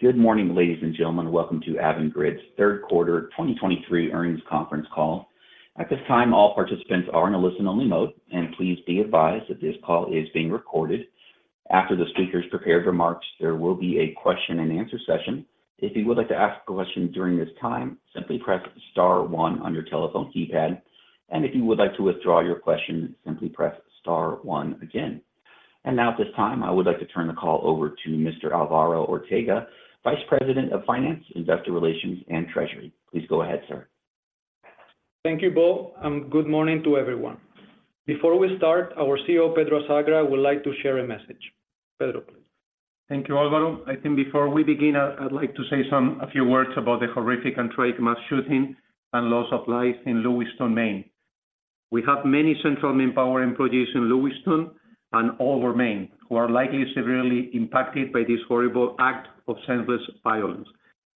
Good morning, ladies and gentlemen. Welcome to Avangrid's third quarter 2023 earnings conference call. At this time, all participants are in a listen-only mode, and please be advised that this call is being recorded. After the speaker's prepared remarks, there will be a question-and-answer session. If you would like to ask a question during this time, simply press star one on your telephone keypad, and if you would like to withdraw your question, simply press star one again. Now at this time, I would like to turn the call over to Mr. Álvaro Ortega, Vice President of Finance, Investor Relations, and Treasury. Please go ahead, sir. Thank you, Bo, and good morning to everyone. Before we start, our CEO, Pedro Azagra, would like to share a message. Pedro, please. Thank you, Álvaro. I think before we begin, I'd like to say a few words about the horrific and tragic mass shooting and loss of life in Lewiston, Maine. We have many Central Maine Power employees in Lewiston and all over Maine, who are likely severely impacted by this horrible act of senseless violence.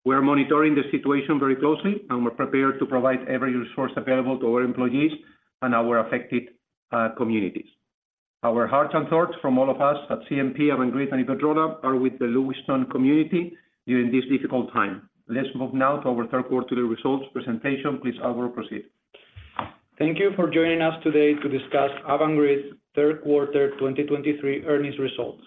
We're monitoring the situation very closely, and we're prepared to provide every resource available to our employees and our affected communities. Our hearts and thoughts from all of us at CMP, Avangrid, and Iberdrola are with the Lewiston community during this difficult time. Let's move now to our third quarterly results presentation. Please, Álvaro, proceed. Thank you for joining us today to discuss Avangrid's third quarter 2023 earnings results.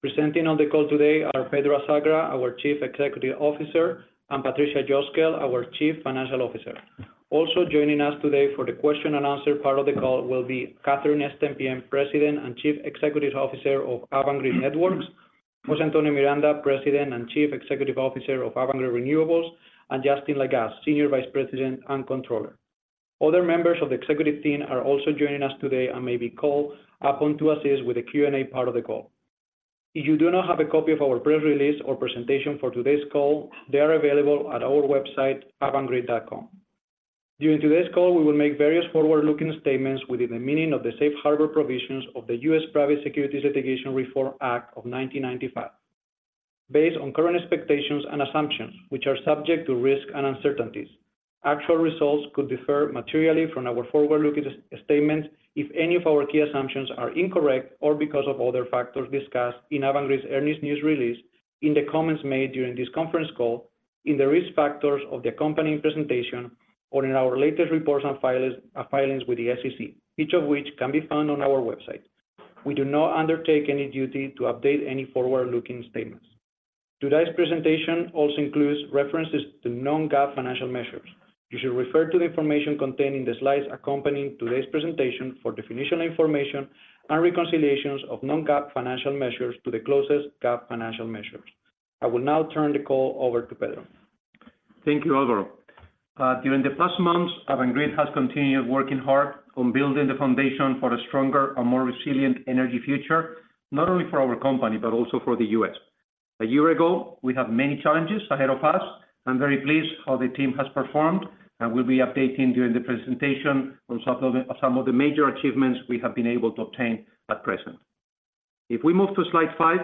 Presenting on the call today are Pedro Azagra, our Chief Executive Officer, and Patricia Cosgel, our Chief Financial Officer. Also joining us today for the question-and-answer part of the call will be Catherine Stempien, President and Chief Executive Officer of Avangrid Networks, José Antonio Miranda, President and Chief Executive Officer of Avangrid Renewables, and Justin Lagasse, Senior Vice President and Controller. Other members of the executive team are also joining us today and may be called upon to assist with the Q&A part of the call. If you do not have a copy of our press release or presentation for today's call, they are available at our website, avangrid.com. During today's call, we will make various forward-looking statements within the meaning of the Safe Harbor provisions of the U.S. Private Securities Litigation Reform Act of 1995. Based on current expectations and assumptions, which are subject to risks and uncertainties, actual results could differ materially from our forward-looking statements if any of our key assumptions are incorrect or because of other factors discussed in Avangrid's earnings news release, in the comments made during this conference call, in the risk factors of the accompanying presentation, or in our latest reports and filings with the SEC, each of which can be found on our website. We do not undertake any duty to update any forward-looking statements. Today's presentation also includes references to non-GAAP financial measures. You should refer to the information contained in the slides accompanying today's presentation for definitional information and reconciliations of non-GAAP financial measures to the closest GAAP financial measures. I will now turn the call over to Pedro. Thank you, Álvaro. During the past months, Avangrid has continued working hard on building the foundation for a stronger and more resilient energy future, not only for our company, but also for the U.S. A year ago, we have many challenges ahead of us. I'm very pleased how the team has performed, and we'll be updating during the presentation on some of the, some of the major achievements we have been able to obtain at present. If we move to slide five,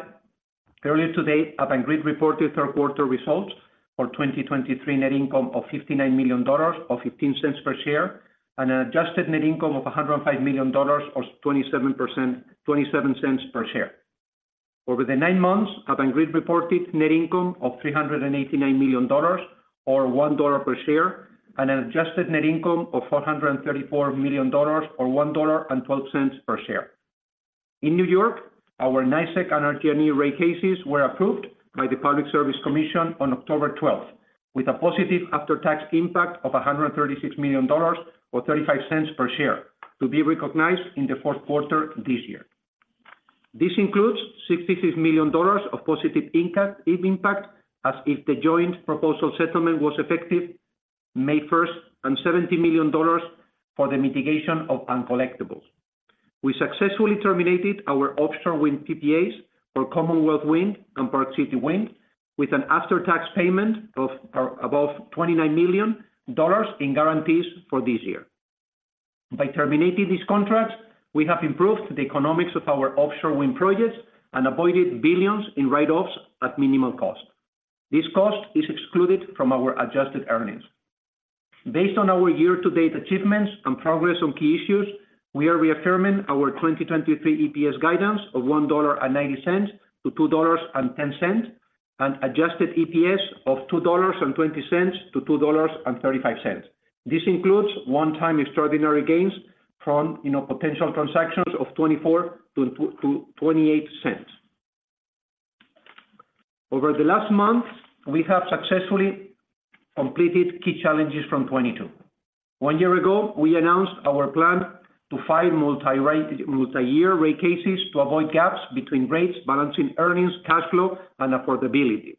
earlier today, Avangrid reported third quarter results for 2023 net income of $59 million or $0.15 per share, and an adjusted net income of $105 million or $0.27 per share. Over the nine months, Avangrid reported net income of $389 million or $1 per share, and an adjusted net income of $434 million or $1.12 per share. In New York, our NYSEG and RG&E rate cases were approved by the Public Service Commission on October 12th, with a positive after-tax impact of $136 million or $0.35 per share to be recognized in the fourth quarter this year. This includes $66 million of positive impact, if impact, as if the joint proposal settlement was effective May 1st, and $70 million for the mitigation of uncollectibles. We successfully terminated our offshore wind PPAs for Commonwealth Wind and Park City Wind, with an after-tax payment of above $29 million in guarantees for this year. By terminating these contracts, we have improved the economics of our offshore wind projects and avoided billions in write-offs at minimal cost. This cost is excluded from our adjusted earnings. Based on our year-to-date achievements and progress on key issues, we are reaffirming our 2023 EPS guidance of $1.90-$2.10, and adjusted EPS of $2.20-$2.35. This includes one-time extraordinary gains from, you know, potential transactions of $0.24-$0.28 cents. Over the last month, we have successfully completed key challenges from 2022. One year ago, we announced our plan to file multi-year rate cases to avoid gaps between rates, balancing earnings, cash flow, and affordability.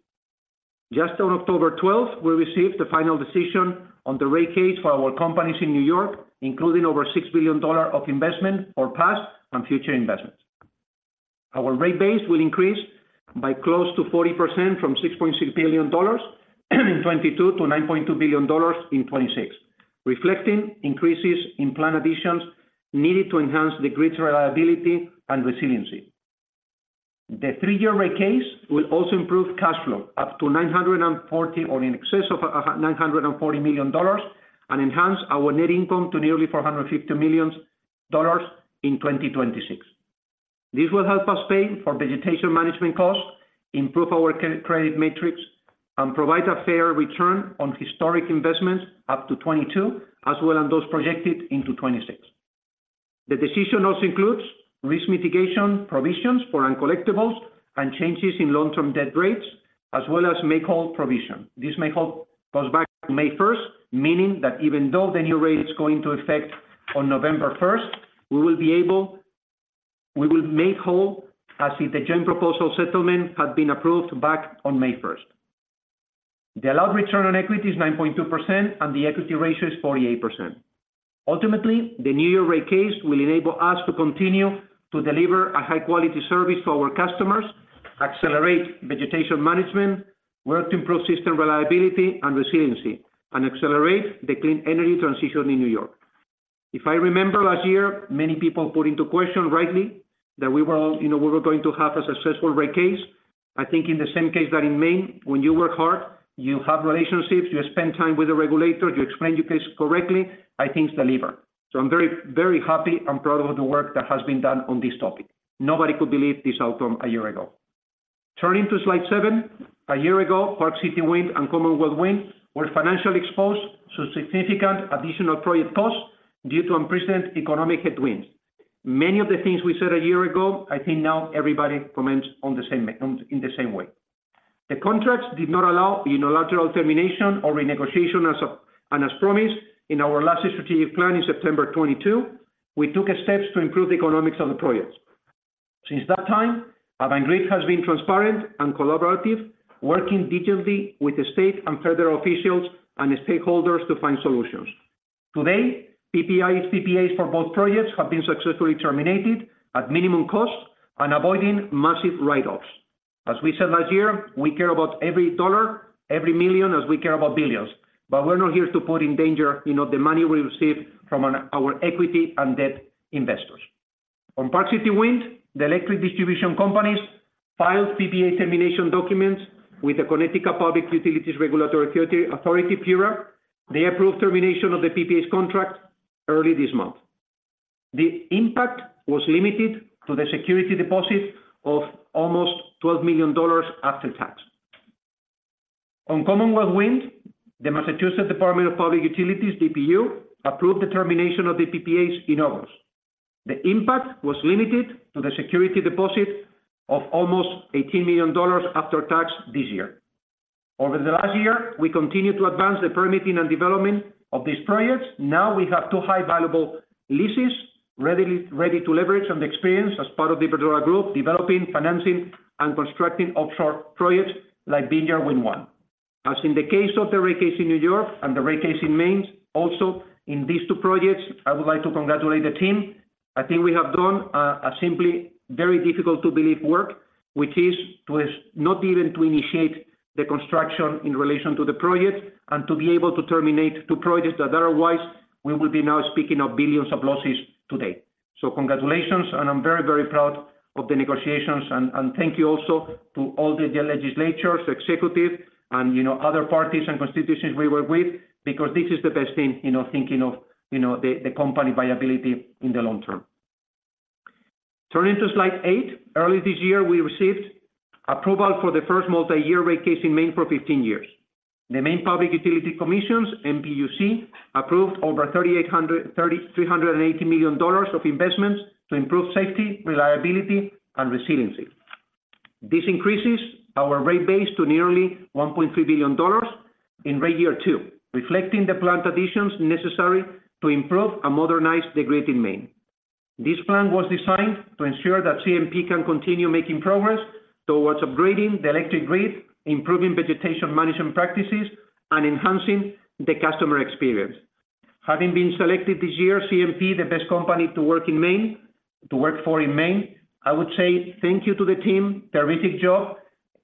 Just on October 12th, we received the final decision on the rate case for our companies in New York, including over $6 billion of investment for past and future investments. Our rate base will increase by close to 40% from $6.6 billion in 2022 to $9.2 billion in 2026, reflecting increases in plant additions needed to enhance the grid's reliability and resiliency. The three-year rate case will also improve cash flow up to $940 million or in excess of $940 million and enhance our net income to nearly $450 million in 2026. This will help us pay for vegetation management costs, improve our credit, credit metrics, and provide a fair return on historic investments up to 2022, as well as those projected into 2026. The decision also includes risk mitigation provisions for uncollectibles and changes in long-term debt rates, as well as make-whole provision. This make-whole goes back to May 1st, meaning that even though the new rate is going to effect on November 1st, we will make whole, as if the joint proposal settlement had been approved back on May 1st. The allowed return on equity is 9.2%, and the equity ratio is 48%. Ultimately, the New York rate case will enable us to continue to deliver a high-quality service to our customers, accelerate vegetation management, work to improve system reliability and resiliency, and accelerate the clean energy transition in New York. If I remember last year, many people put into question, rightly, that we were, you know, we were going to have a successful rate case. I think in the same case that in Maine, when you work hard, you have relationships, you spend time with the regulator, you explain your case correctly, I think it's delivered. So I'm very, very happy and proud of the work that has been done on this topic. Nobody could believe this outcome a year ago. Turning to slide seven, a year ago, Park City Wind and Commonwealth Wind were financially exposed to significant additional project costs due to unprecedented economic headwinds. Many of the things we said a year ago, I think now everybody comments on the same, in the same way. The contracts did not allow unilateral termination or renegotiation and as promised in our last strategic plan in September 2022, we took steps to improve the economics of the projects. Since that time, Avangrid has been transparent and collaborative, working digitally with the state and federal officials and stakeholders to find solutions. Today, PPAs, PPAs for both projects have been successfully terminated at minimum cost and avoiding massive write-offs. As we said last year, we care about every dollar, every million, as we care about billions. But we're not here to put in danger, you know, the money we receive from our, our equity and debt investors. On Park City Wind, the electric distribution companies filed PPA termination documents with the Connecticut Public Utilities Regulatory Authority, PURA. They approved termination of the PPA's contract early this month. The impact was limited to the security deposit of almost $12 million after tax. On Commonwealth Wind, the Massachusetts Department of Public Utilities, DPU, approved the termination of the PPAs in August. The impact was limited to the security deposit of almost $18 million after tax this year. Over the last year, we continued to advance the permitting and development of these projects. Now we have two high-valuable leases, readily, ready to leverage on the experience as part of the Iberdrola Group, developing, financing, and constructing offshore projects like Vineyard Wind 1. As in the case of the rate case in New York and the rate case in Maine, also in these two projects, I would like to congratulate the team. I think we have done a simply very difficult-to-believe work, which is to, not even to initiate the construction in relation to the project, and to be able to terminate two projects that otherwise we will be now speaking of billions of losses today. Congratulations, and I'm very, very proud of the negotiations, and thank you also to all the legislatures, executives, and, you know, other parties and constituencies we were with, because this is the best thing, you know, thinking of, you know, the company viability in the long-term. Turning to slide eight. Early this year, we received approval for the first multi-year rate case in Maine for 15 years. The Maine Public Utilities Commission, MPUC, approved over $380 million of investments to improve safety, reliability, and resiliency. This increases our rate base to nearly $1.3 billion in rate year two, reflecting the plant additions necessary to improve and modernize the grid in Maine. This plan was designed to ensure that CMP can continue making progress towards upgrading the electric grid, improving vegetation management practices, and enhancing the customer experience. Having been selected this year, CMP, the best company to work in Maine, to work for in Maine, I would say thank you to the team. Terrific job.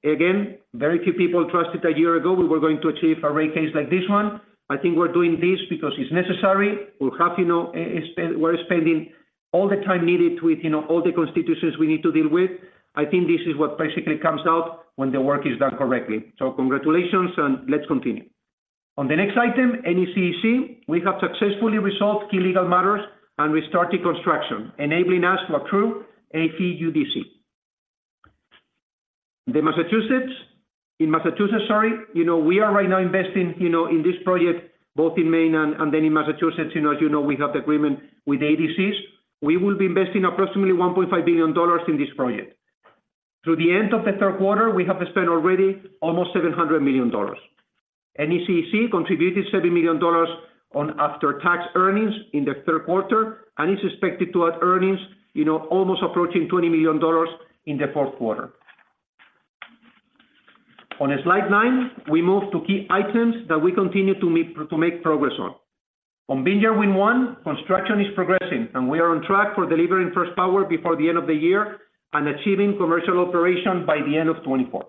Again, very few people thought a year ago we were going to achieve a rate case like this one. I think we're doing this because it's necessary. We're happy now, we're spending all the time needed with, you know, all the constituencies we need to deal with. I think this is what basically comes out when the work is done correctly. So congratulations, and let's continue. On the next item, NECEC, we have successfully resolved key legal matters and restarted construction, enabling us to accrue AFUDC. The Massachusetts, in Massachusetts, sorry, you know, we are right now investing, you know, in this project, both in Maine and then in Massachusetts. You know, as you know, we have the agreement with EDCs. We will be investing approximately $1.5 billion in this project. Through the end of the third quarter, we have spent already almost $700 million. NECEC contributed $70 million on after-tax earnings in the third quarter, and is expected to add earnings, you know, almost approaching $20 million in the fourth quarter. On slide nine, we move to key items that we continue to meet, to make progress on. On Vineyard Wind 1, construction is progressing, and we are on track for delivering first power before the end of the year and achieving commercial operation by the end of 2024.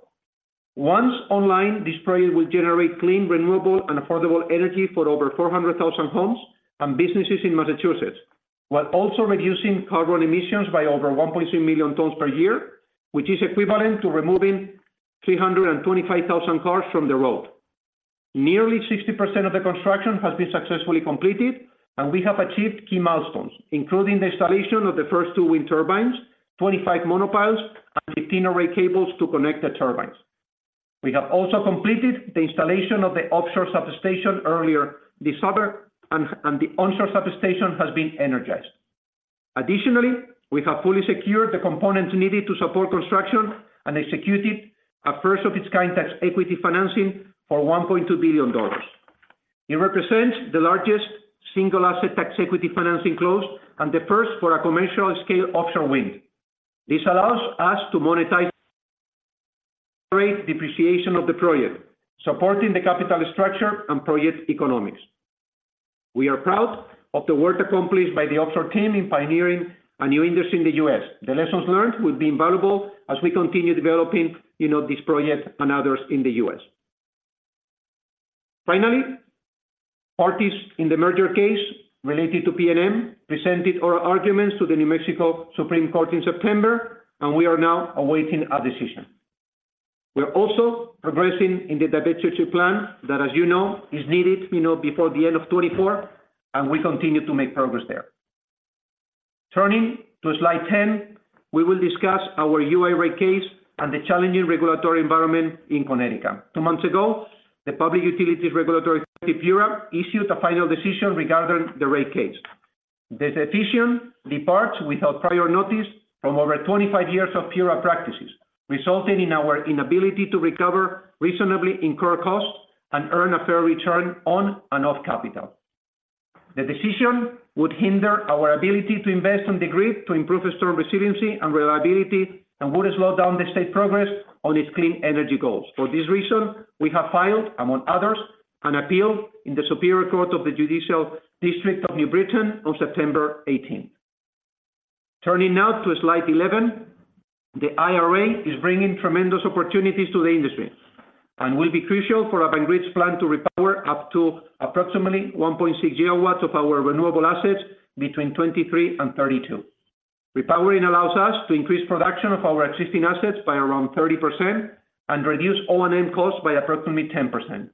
Once online, this project will generate clean, renewable, and affordable energy for over 400,000 homes and businesses in Massachusetts, while also reducing carbon emissions by over 1.3 million tons per year, which is equivalent to removing 325,000 cars from the road. Nearly 60% of the construction has been successfully completed, and we have achieved key milestones, including the installation of the first two wind turbines, 25 monopiles, and 18 array cables to connect the turbines. We have also completed the installation of the offshore substation earlier this summer, and the onshore substation has been energized. Additionally, we have fully secured the components needed to support construction and executed a first-of-its-kind tax equity financing for $1.2 billion. It represents the largest single asset tax equity financing closed, and the first for a commercial-scale offshore wind. This allows us to monetize great depreciation of the project, supporting the capital structure and project economics. We are proud of the work accomplished by the offshore team in pioneering a new industry in the U.S. The lessons learned will be invaluable as we continue developing, you know, this project and others in the U.S. Finally, parties in the merger case related to PNM presented oral arguments to the New Mexico Supreme Court in September, and we are now awaiting a decision. We are also progressing in the divestiture plan, that, as you know, is needed, you know, before the end of 2024, and we continue to make progress there. Turning to slide 10, we will discuss our UI rate case and the challenging regulatory environment in Connecticut. Two months ago, the Public Utilities Regulatory Authority, PURA, issued a final decision regarding the rate case. This decision departs without prior notice from over 25 years of PURA practices, resulting in our inability to recover reasonably incurred costs and earn a fair return on and off capital. The decision would hinder our ability to invest in the grid, to improve storm resiliency and reliability, and would slow down the state's progress on its clean energy goals. For this reason, we have filed, among others, an appeal in the Superior Court of the Judicial District of New Britain on September 18th. Turning now to slide 11. The IRA is bringing tremendous opportunities to the industry, and will be crucial for Avangrid's plan to repower up to approximately 1.6 GW of our renewable assets between 2023 and 2032. Repowering allows us to increase production of our existing assets by around 30% and reduce O&M costs by approximately 10%.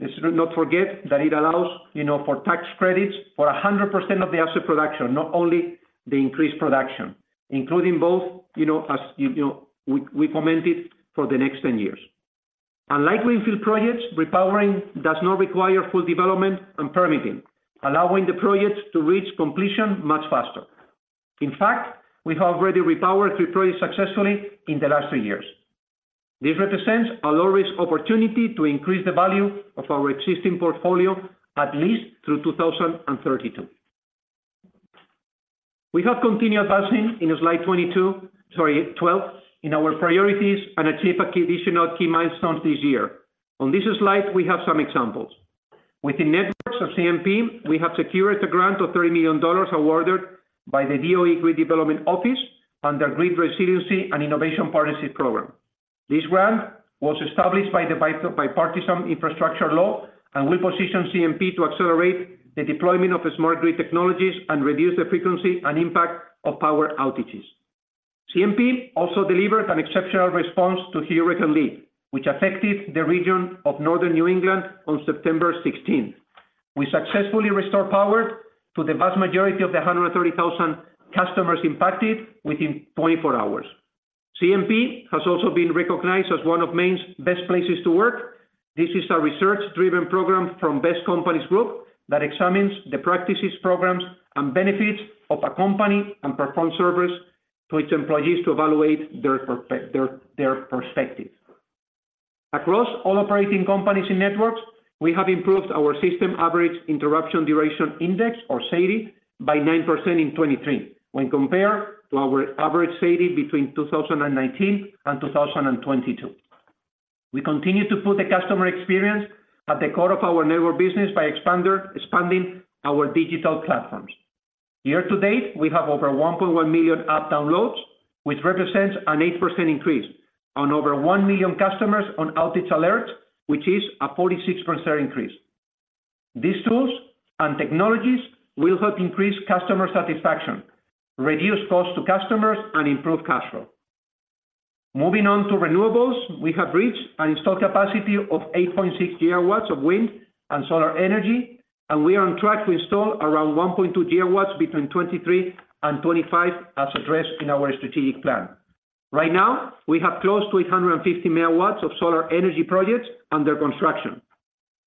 Let's not forget that it allows, you know, for tax credits for 100% of the asset production, not only the increased production, including both, you know, as, you know, we, we commented for the next 10 years. Unlike greenfield projects, repowering does not require full development and permitting, allowing the projects to reach completion much faster. In fact, we have already repowered three projects successfully in the last two years. This represents a low-risk opportunity to increase the value of our existing portfolio at least through 2032. We have continued advancing in slide 22, sorry, 12, in our priorities and achieve additional key milestones this year. On this slide, we have some examples. Within networks of CMP, we have secured a grant of $30 million awarded by the DOE Grid Development Office under Grid Resiliency and Innovation Partnership Program. This grant was established by the Bipartisan Infrastructure Law, and will position CMP to accelerate the deployment of smart grid technologies and reduce the frequency and impact of power outages. CMP also delivered an exceptional response to Hurricane Lee, which affected the region of Northern New England on September 16th. We successfully restored power to the vast majority of the 130,000 customers impacted within 24 hours. CMP has also been recognized as one of Maine's best places to work. This is a research-driven program from Best Companies Group that examines the practices, programs, and benefits of a company, and performs surveys to its employees to evaluate their perspective. Across all operating companies and networks, we have improved our System Average Interruption Duration Index, or SAIDI, by 9% in 2023, when compared to our average SAIDI between 2019 and 2022. We continue to put the customer experience at the core of our network business by expanding our digital platforms. Year to date, we have over 1.1 million app downloads, which represents an 8% increase on over one million customers on outage alert, which is a 46% increase. These tools and technologies will help increase customer satisfaction, reduce costs to customers, and improve cash flow. Moving on to renewables, we have reached an installed capacity of 8.6 GW of wind and solar energy, and we are on track to install around 1.2 GW between 2023 and 2025, as addressed in our strategic plan. Right now, we have close to 150 MW of solar energy projects under construction.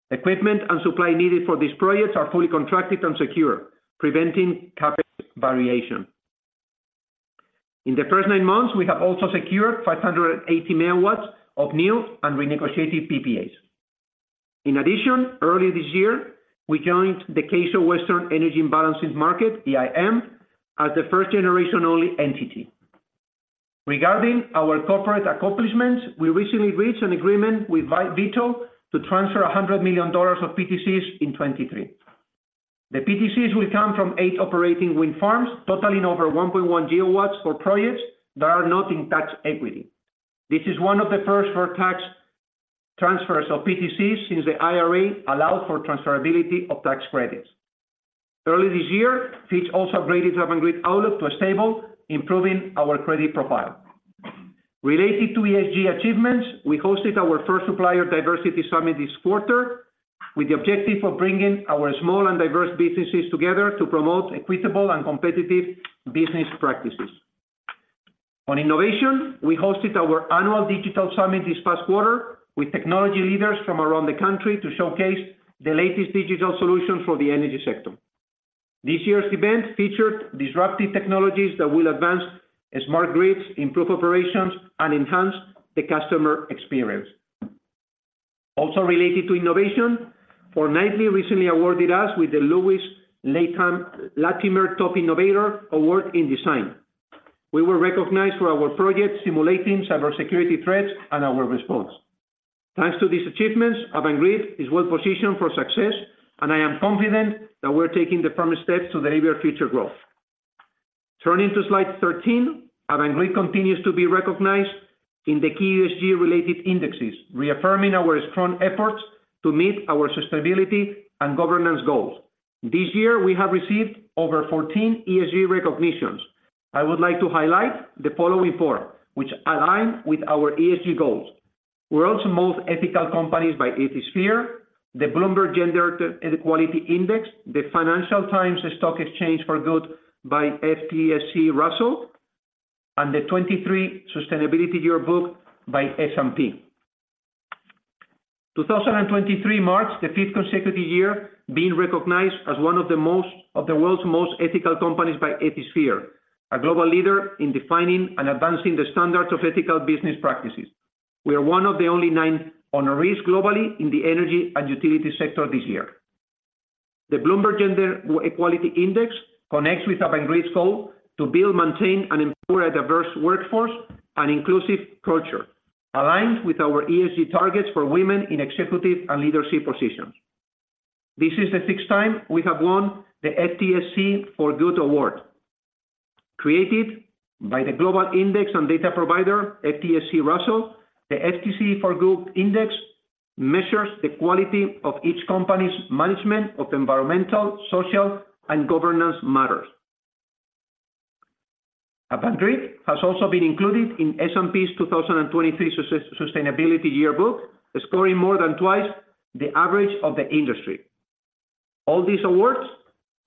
Equipment and supply needed for these projects are fully contracted and secure, preventing capacity variation. In the first nine months, we have also secured 580 MW of new and renegotiated PPAs. In addition, early this year, we joined the CAISO Western Energy Imbalance Market, EIM, as a first-generation-only entity. Regarding our corporate accomplishments, we recently reached an agreement with Vitol to transfer $100 million of PTCs in 2023. The PTCs will come from eight operating wind farms, totaling over 1.1 GW for projects that are not in tax equity. This is one of the first for tax transfers of PTCs since the IRA allowed for transferability of tax credits. Early this year, Fitch also upgraded Avangrid outlook to a stable, improving our credit profile. Related to ESG achievements, we hosted our first Supplier Diversity Summit this quarter, with the objective of bringing our small and diverse businesses together to promote equitable and competitive business practices. On innovation, we hosted our annual digital summit this past quarter, with technology leaders from around the country to showcase the latest digital solutions for the energy sector. This year's event featured disruptive technologies that will advance smart grids, improve operations, and enhance the customer experience. Also related to innovation, Fortnightly recently awarded us with the Lewis Latimer Top Innovator Award in Design. We were recognized for our project simulating cybersecurity threats and our response. Thanks to these achievements, Avangrid is well-positioned for success, and I am confident that we're taking the firm steps to deliver future growth. Turning to slide 13, Avangrid continues to be recognized in the key ESG-related indexes, reaffirming our strong efforts to meet our sustainability and governance goals. This year, we have received over 14 ESG recognitions. I would like to highlight the following four, which align with our ESG goals. World's Most Ethical Companies by Ethisphere, the Bloomberg Gender-Equality Index, the Financial Times Stock Exchange4Good by FTSE Russell, and the 2023 Sustainability Yearbook by S&P. 2023 marks the fifth consecutive year being recognized as one of the world's most ethical companies by Ethisphere, a global leader in defining and advancing the standards of ethical business practices. We are one of the only nine honorees globally in the energy and utility sector this year. The Bloomberg Gender-Equality Index connects with Avangrid's goal to build, maintain, and employ a diverse workforce and inclusive culture, aligned with our ESG targets for women in executive and leadership positions. This is the sixth time we have won the FTSE4Good Award. Created by the global index and data provider, FTSE Russell, the FTSE4Good Index measures the quality of each company's management of environmental, social, and governance matters. Avangrid has also been included in S&P's 2023 Sustainability Yearbook, scoring more than twice the average of the industry. All these awards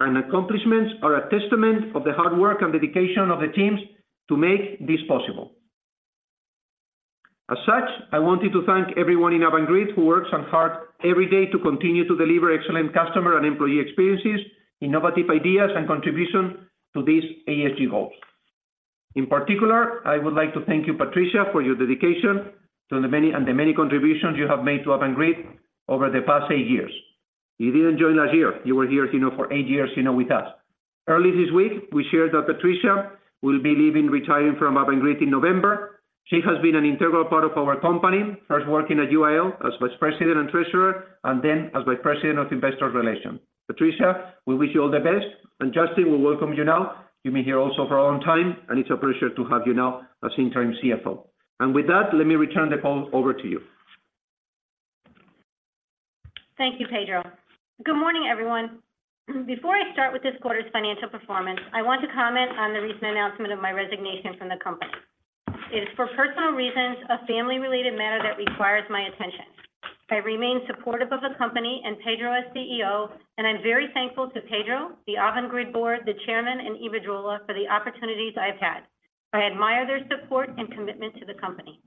and accomplishments are a testament of the hard work and dedication of the teams to make this possible. As such, I wanted to thank everyone in Avangrid who works on hard every day to continue to deliver excellent customer and employee experiences, innovative ideas, and contribution to these ESG goals. In particular, I would like to thank you, Patricia, for your dedication to the many, and the many contributions you have made to Avangrid over the past eight years. You didn't join last year. You were here, you know, for eight years, you know, with us. Early this week, we shared that Patricia will be leaving, retiring from Avangrid in November. She has been an integral part of our company, first working at UIL as vice president and treasurer, and then as vice president of investor relations. Patricia, we wish you all the best, and Justin, we welcome you now. You've been here also for a long time, and it's a pleasure to have you now as Interim CFO. With that, let me return the call over to you. Thank you, Pedro. Good morning, everyone. Before I start with this quarter's financial performance, I want to comment on the recent announcement of my resignation from the company. It is for personal reasons, a family-related matter that requires my attention. I remain supportive of the company and Pedro as CEO, and I'm very thankful to Pedro, the Avangrid board, the chairman, and Iberdrola, for the opportunities I've had. I admire their support and commitment to the company.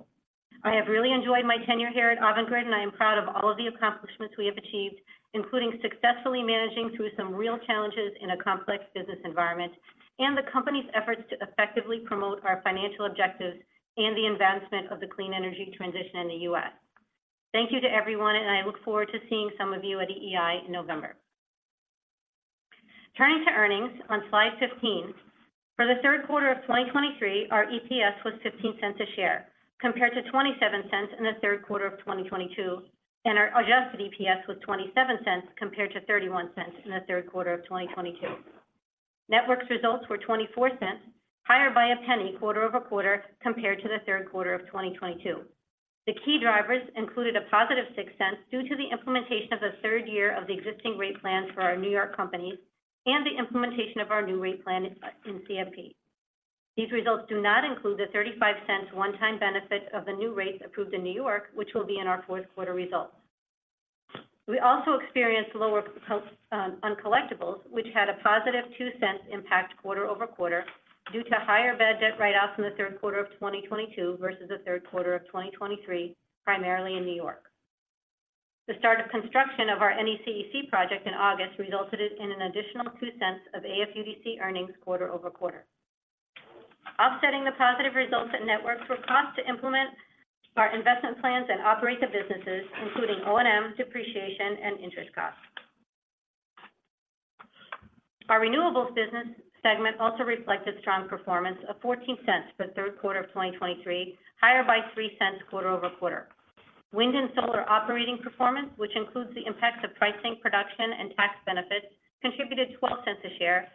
I have really enjoyed my tenure here at Avangrid, and I am proud of all of the accomplishments we have achieved, including successfully managing through some real challenges in a complex business environment, and the company's efforts to effectively promote our financial objectives and the advancement of the clean energy transition in the U.S. Thank you to everyone, and I look forward to seeing some of you at EEI in November. Turning to earnings on slide 15. For the third quarter of 2023, our EPS was $0.15 a share, compared to $0.27 in the third quarter of 2022, and our adjusted EPS was $0.27, compared to $0.31 in the third quarter of 2022. Networks results were $0.24, higher by $0.01 quarter-over-quarter, compared to the third quarter of 2022. The key drivers included +$0.06 due to the implementation of the third year of the existing rate plan for our New York companies and the implementation of our new rate plan in CMP. These results do not include the $0.35 one-time benefit of the new rates approved in New York, which will be in our fourth quarter results. We also experienced lower uncollectibles, which had a positive $0.02 impact quarter-over-quarter, due to higher bad debt write-offs in the third quarter of 2022 versus the third quarter of 2023, primarily in New York. The start of construction of our NECEC project in August resulted in an additional $0.02 of AFUDC earnings quarter-over-quarter. Offsetting the positive results at networks were costs to implement our investment plans and operate the businesses, including O&M, depreciation, and interest costs. Our renewables business segment also reflected strong performance of $0.14 for the third quarter of 2023, higher by $0.03 quarter-over-quarter. Wind and solar operating performance, which includes the impacts of pricing, production, and tax benefits, contributed $0.12 a share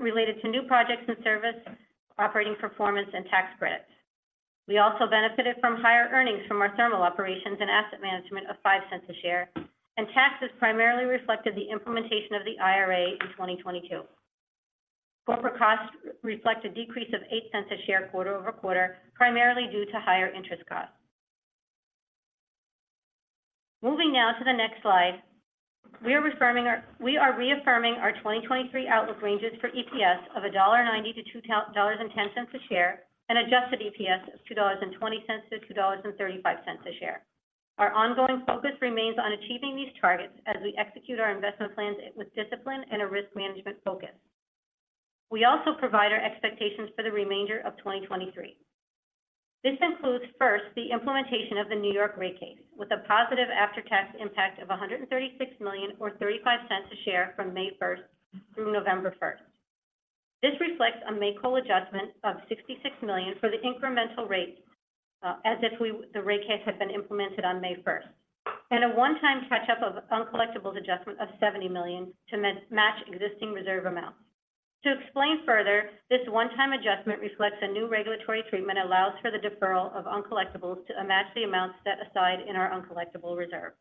related to new projects and service, operating performance, and tax credits. We also benefited from higher earnings from our thermal operations and asset management of $0.05 a share, and taxes primarily reflected the implementation of the IRA in 2022. Corporate costs reflect a decrease of $0.08 a share quarter-over-quarter, primarily due to higher interest costs. Moving now to the next slide, we are reaffirming our 2023 outlook ranges for EPS of $1.90-$2.10 a share, and adjusted EPS of $2.20-$2.35 a share. Our ongoing focus remains on achieving these targets as we execute our investment plans with discipline and a risk management focus. We also provide our expectations for the remainder of 2023. This includes, first, the implementation of the New York rate case, with a positive after-tax impact of $136 million or $0.35 per share from May 1st through November 1st. This reflects a make-whole adjustment of $66 million for the incremental rate, as if the rate case had been implemented on May 1st, and a one-time catch-up of uncollectibles adjustment of $70 million to match existing reserve amounts. To explain further, this one-time adjustment reflects a new regulatory treatment allows for the deferral of uncollectibles to match the amounts set aside in our uncollectible reserve.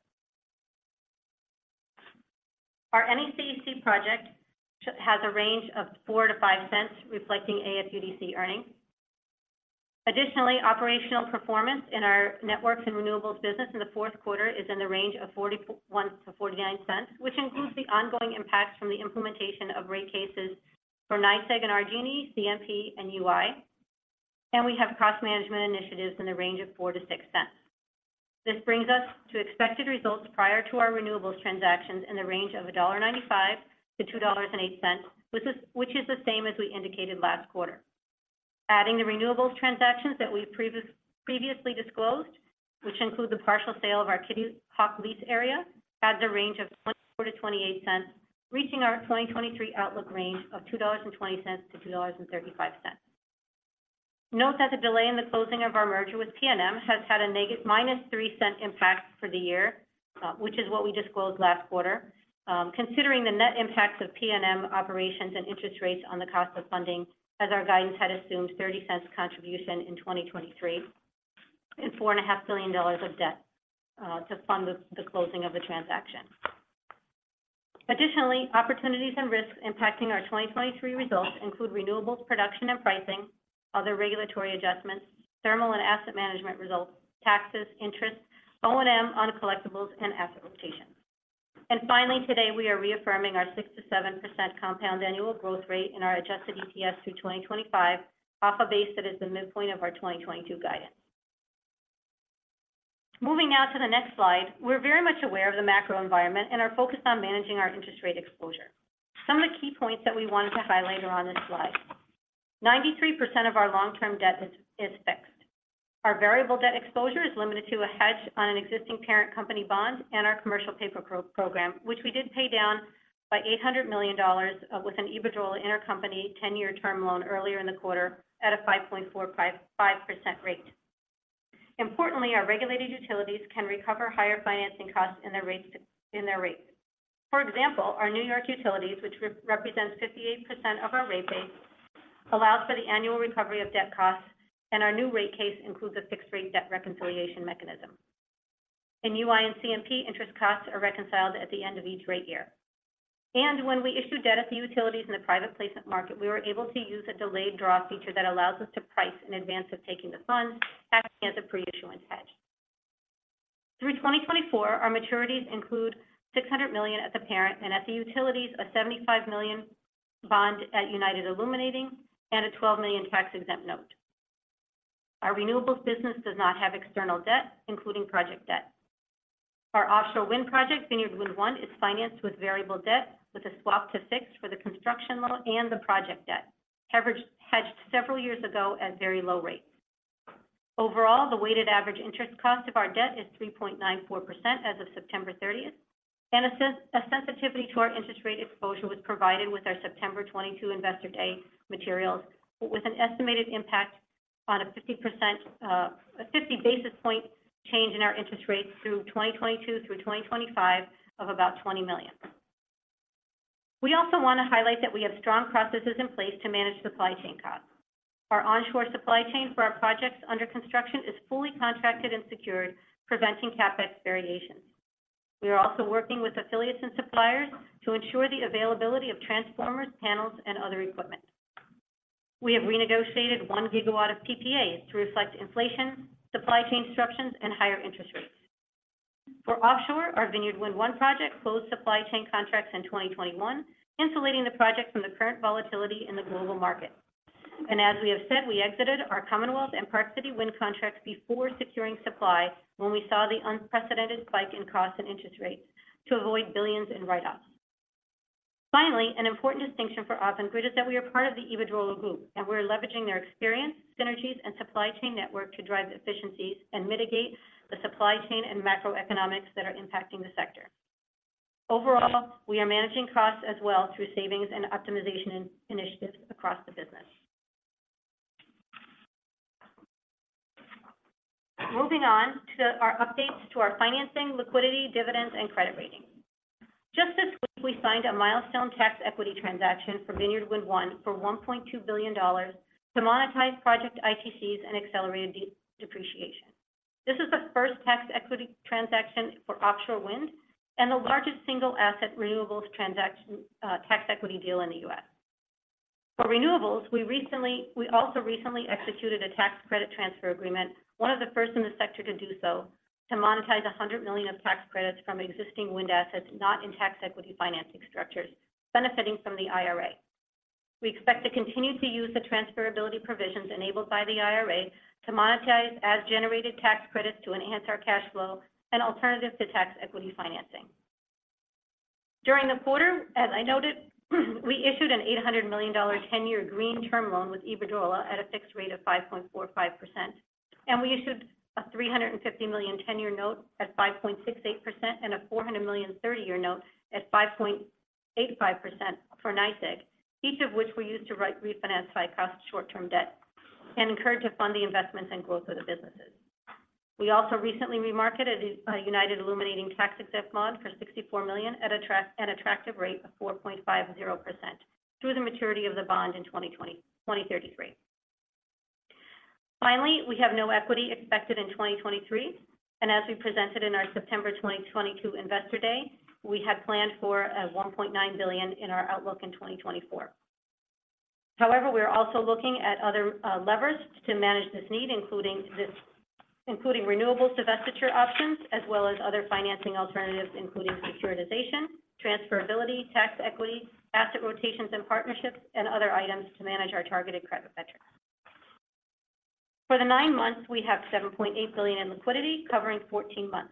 Our NECEC project has a range of $0.04-$0.05, reflecting AFUDC earnings. Additionally, operational performance in our networks and renewables business in the fourth quarter is in the range of $0.41-$0.49, which includes the ongoing impact from the implementation of rate cases for NYSEG and RG&E, CMP, and UI. We have cost management initiatives in the range of $0.04-$0.06. This brings us to expected results prior to our renewables transactions in the range of $1.95-$2.08, which is, which is the same as we indicated last quarter. Adding the renewables transactions that we previously disclosed, which include the partial sale of our Kitty Hawk Lease area, adds a range of $0.24-$0.28, reaching our 2023 outlook range of $2.20-$2.35. Note that the delay in the closing of our merger with PNM has had a -$0.03 impact for the year, which is what we disclosed last quarter. Considering the net impacts of PNM operations and interest rates on the cost of funding, as our guidance had assumed $0.30 contribution in 2023 and $4.5 billion of debt to fund the closing of the transaction. Additionally, opportunities and risks impacting our 2023 results include renewables production and pricing, other regulatory adjustments, thermal and asset management results, taxes, interest, O&M uncollectibles, and asset rotations. Finally, today, we are reaffirming our 6%-7% compound annual growth rate in our adjusted EPS through 2025, off a base that is the midpoint of our 2022 guidance. Moving now to the next slide. We're very much aware of the macro environment and are focused on managing our interest rate exposure. Some of the key points that we wanted to highlight are on this slide. 93% of our long-term debt is fixed. Our variable debt exposure is limited to a hedge on an existing parent company bond and our commercial paper program, which we did pay down by $800 million with an Iberdrola intercompany 10-year term loan earlier in the quarter at a 5.455% rate. Importantly, our regulated utilities can recover higher financing costs in their rates. For example, our New York utilities, which represents 58% of our rate base, allows for the annual recovery of debt costs, and our new rate case includes a fixed rate debt reconciliation mechanism. In UI and CMP, interest costs are reconciled at the end of each rate year. When we issued debt at the utilities in the private placement market, we were able to use a delayed draw feature that allows us to price in advance of taking the funds, acting as a pre-issuance hedge. Through 2024, our maturities include $600 million at the parent and at the utilities, a $75 million bond at United Illuminating and a $12 million tax-exempt note. Our renewables business does not have external debt, including project debt. Our offshore wind project, Vineyard Wind 1, is financed with variable debt, with a swap to fixed for the construction loan and the project debt, average-hedged several years ago at very low rates. Overall, the weighted average interest cost of our debt is 3.94% as of September 30th, and a sensitivity to our interest rate exposure was provided with our September 2022 Investor Day materials, with an estimated impact on a 50%, a 50 basis point change in our interest rates through 2022 through 2025 of about $20 million. We also want to highlight that we have strong processes in place to manage supply chain costs. Our onshore supply chain for our projects under construction is fully contracted and secured, preventing CapEx variations. We are also working with affiliates and suppliers to ensure the availability of transformers, panels, and other equipment. We have renegotiated 1 GW of PPAs to reflect inflation, supply chain disruptions, and higher interest rates. For offshore, our Vineyard Wind 1 project closed supply chain contracts in 2021, insulating the project from the current volatility in the global market. As we have said, we exited our Commonwealth and Park City Wind contracts before securing supply when we saw the unprecedented spike in costs and interest rates to avoid billions in write-offs. Finally, an important distinction for Avangrid is that we are part of the Iberdrola group, and we're leveraging their experience, synergies, and supply chain network to drive efficiencies and mitigate the supply chain and macroeconomics that are impacting the sector. Overall, we are managing costs as well through savings and optimization initiatives across the business. Moving on to our updates to our financing, liquidity, dividends, and credit rating. Just this week, we signed a milestone tax equity transaction for Vineyard Wind 1 for $1.2 billion to monetize project ITCs and accelerated depreciation. This is the first tax equity transaction for offshore wind and the largest single asset renewables transaction, tax equity deal in the U.S. For renewables, we also recently executed a tax credit transfer agreement, one of the first in the sector to do so, to monetize $100 million of tax credits from existing wind assets not in tax equity financing structures, benefiting from the IRA. We expect to continue to use the transferability provisions enabled by the IRA to monetize as generated tax credits to enhance our cash flow, an alternative to tax equity financing. During the quarter, as I noted, we issued an $800 million 10-year green term loan with Iberdrola at a fixed rate of 5.45%, and we issued a $350 million 10-year note at 5.68% and a $400 million 30-year note at 5.85% for NYSEG, each of which we use to re-refinance high-cost short-term debt and encourage to fund the investments and growth of the businesses. We also recently remarketed a United Illuminating tax-exempt bond for $64 million at an attractive rate of 4.50% through the maturity of the bond in 2033. Finally, we have no equity expected in 2023, and as we presented in our September 2022 Investor Day, we had planned for a $1.9 billion in our outlook in 2024. However, we are also looking at other, levers to manage this need, including including renewables divestiture options, as well as other financing alternatives, including securitization, transferability, tax equity, asset rotations and partnerships, and other items to manage our targeted credit metrics. For the nine months, we have $7.8 billion in liquidity, covering 14 months.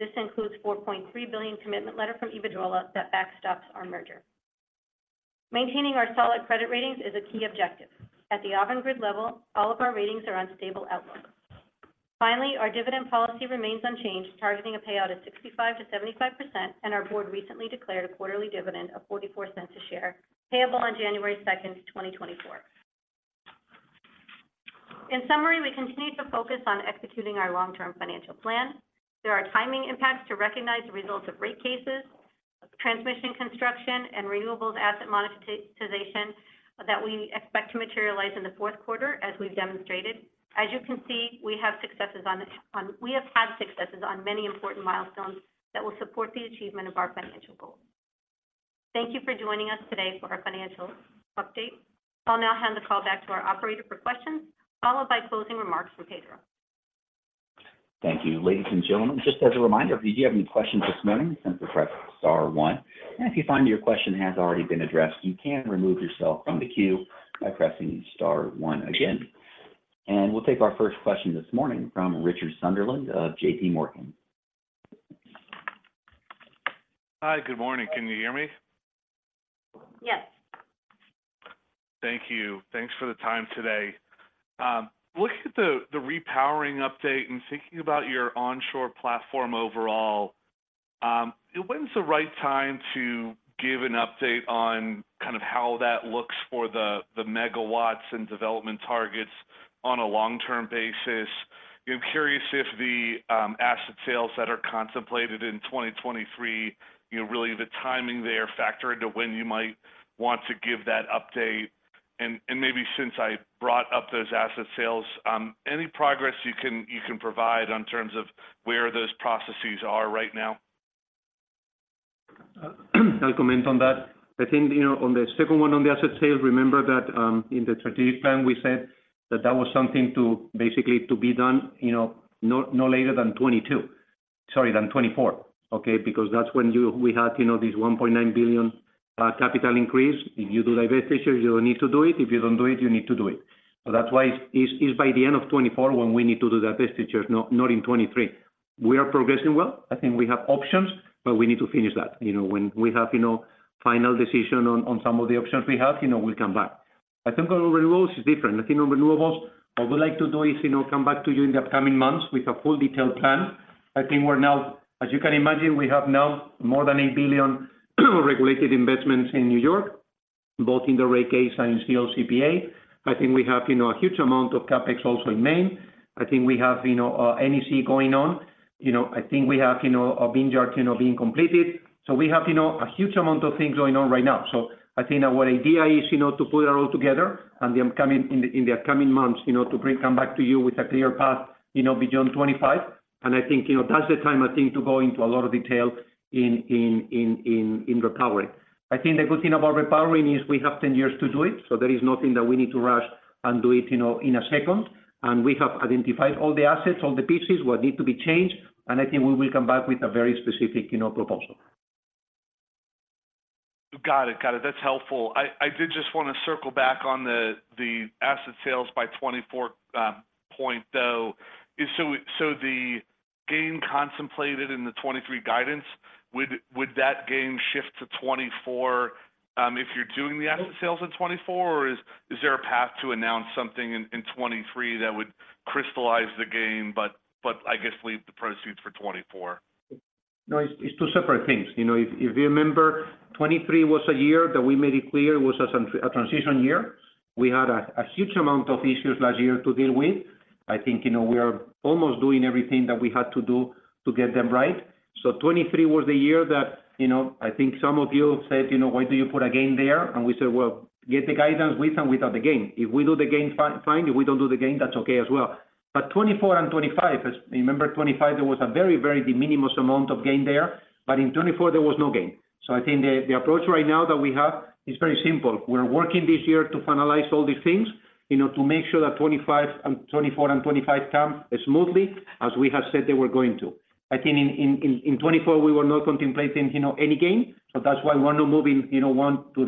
This includes $4.3 billion commitment letter from Iberdrola that backstops our merger. Maintaining our solid credit ratings is a key objective. At the Avangrid level, all of our ratings are on stable outlook. Finally, our dividend policy remains unchanged, targeting a payout of 65%-75%, and our board recently declared a quarterly dividend of $0.44 a share, payable on January 2nd, 2024. In summary, we continue to focus on executing our long-term financial plan. There are timing impacts to recognize the results of rate cases, transmission, construction, and renewables asset monetization that we expect to materialize in the fourth quarter, as we've demonstrated. As you can see, we have had successes on many important milestones that will support the achievement of our financial goals. Thank you for joining us today for our financial update. I'll now hand the call back to our operator for questions, followed by closing remarks from Pedro. Thank you. Ladies and gentlemen, just as a reminder, if you do have any questions this morning, simply press star one. If you find your question has already been addressed, you can remove yourself from the queue by pressing star one again. We'll take our first question this morning from Richard Sunderland of JPMorgan. Hi, good morning. Can you hear me? Yes. Thank you. Thanks for the time today. Looking at the repowering update and thinking about your onshore platform overall, when's the right time to give an update on kind of how that looks for the megawatts and development targets on a long-term basis? I'm curious if the asset sales that are contemplated in 2023, you know, really the timing there factor into when you might want to give that update. And maybe since I brought up those asset sales, any progress you can provide on terms of where those processes are right now? I'll comment on that. I think, you know, on the second one, on the asset sales, remember that, in the strategic plan, we said that that was something to basically to be done, you know, no, no later than 2022-- sorry, than 2024, okay? Because that's when you-- we had, you know, this $1.9 billion capital increase. If you do divestitures, you need to do it. If you don't do it, you need to do it. So that's why it's, it's by the end of 2024 when we need to do divestitures, not, not in 2023. We are progressing well. I think we have options, but we need to finish that. You know, when we have, you know, final decision on, on some of the options we have, you know, we'll come back. I think on renewables is different. I think on renewables, what we like to do is, you know, come back to you in the upcoming months with a full detailed plan. I think we're now. As you can imagine, we have now more than $8 billion regulated investments in New York, both in the rate case and CLCPA. I think we have, you know, a huge amount of CapEx also in Maine. I think we have, you know, NECEC going on. You know, I think we have, you know, a Vineyard, you know, being completed. So we have, you know, a huge amount of things going on right now. So I think our idea is, you know, to put it all together and the upcoming, in the, in the upcoming months, you know, to come back to you with a clear path, you know, beyond 2025. I think, you know, that's the time, I think, to go into a lot of detail in repowering. I think the good thing about repowering is we have 10 years to do it, so there is nothing that we need to rush and do it, you know, in a second. We have identified all the assets, all the pieces, what need to be changed, and I think we will come back with a very specific, you know, proposal. Got it. Got it. That's helpful. I did just want to circle back on the asset sales by 2024 though. So the gain contemplated in the 2023 guidance, would that gain shift to 2024 if you're doing the asset sales in 2024? Or is there a path to announce something in 2023 that would crystallize the gain, but I guess leave the proceeds for 2024? No, it's two separate things. You know, if you remember, 2023 was a year that we made it clear was a transition year. We had a huge amount of issues last year to deal with. I think, you know, we are almost doing everything that we had to do to get them right. So 2023 was the year that, you know, I think some of you said, "You know, why do you put a gain there?" And we said, "Well, get the guidance with and without the gain. If we do the gain, fine, if we don't do the gain, that's okay as well." But 2024 and 2025, as remember 2025, there was a very, very de minimis amount of gain there, but in 2024 there was no gain. So I think the approach right now that we have is very simple. We're working this year to finalize all these things, you know, to make sure that 2025 and 2024 and 2025 come as smoothly as we have said they were going to. I think in 2024, we were not contemplating, you know, any gain, so that's why we're not moving, you know, one to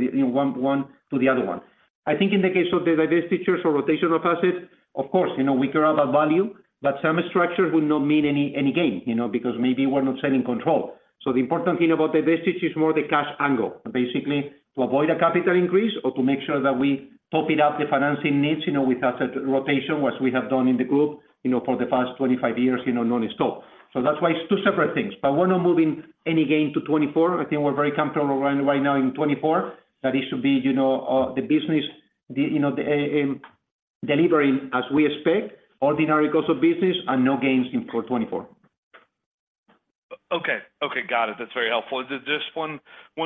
the other one. I think in the case of the divestitures or rotational assets, of course, you know, we care about value, but term structure would not mean any gain, you know, because maybe we're not selling control. So the important thing about divestment is more the cash angle. Basically, to avoid a capital increase or to make sure that we top it up the financing needs, you know, with such rotation, which we have done in the group, you know, for the past 25 years, you know, non-stop. So that's why it's two separate things, but we're not moving any gain to 2024. I think we're very comfortable right, right now in 2024, that it should be, you know, the business, you know, delivering as we expect, ordinary course of business and no gains in for 2024. Okay. Okay, got it. That's very helpful. Just one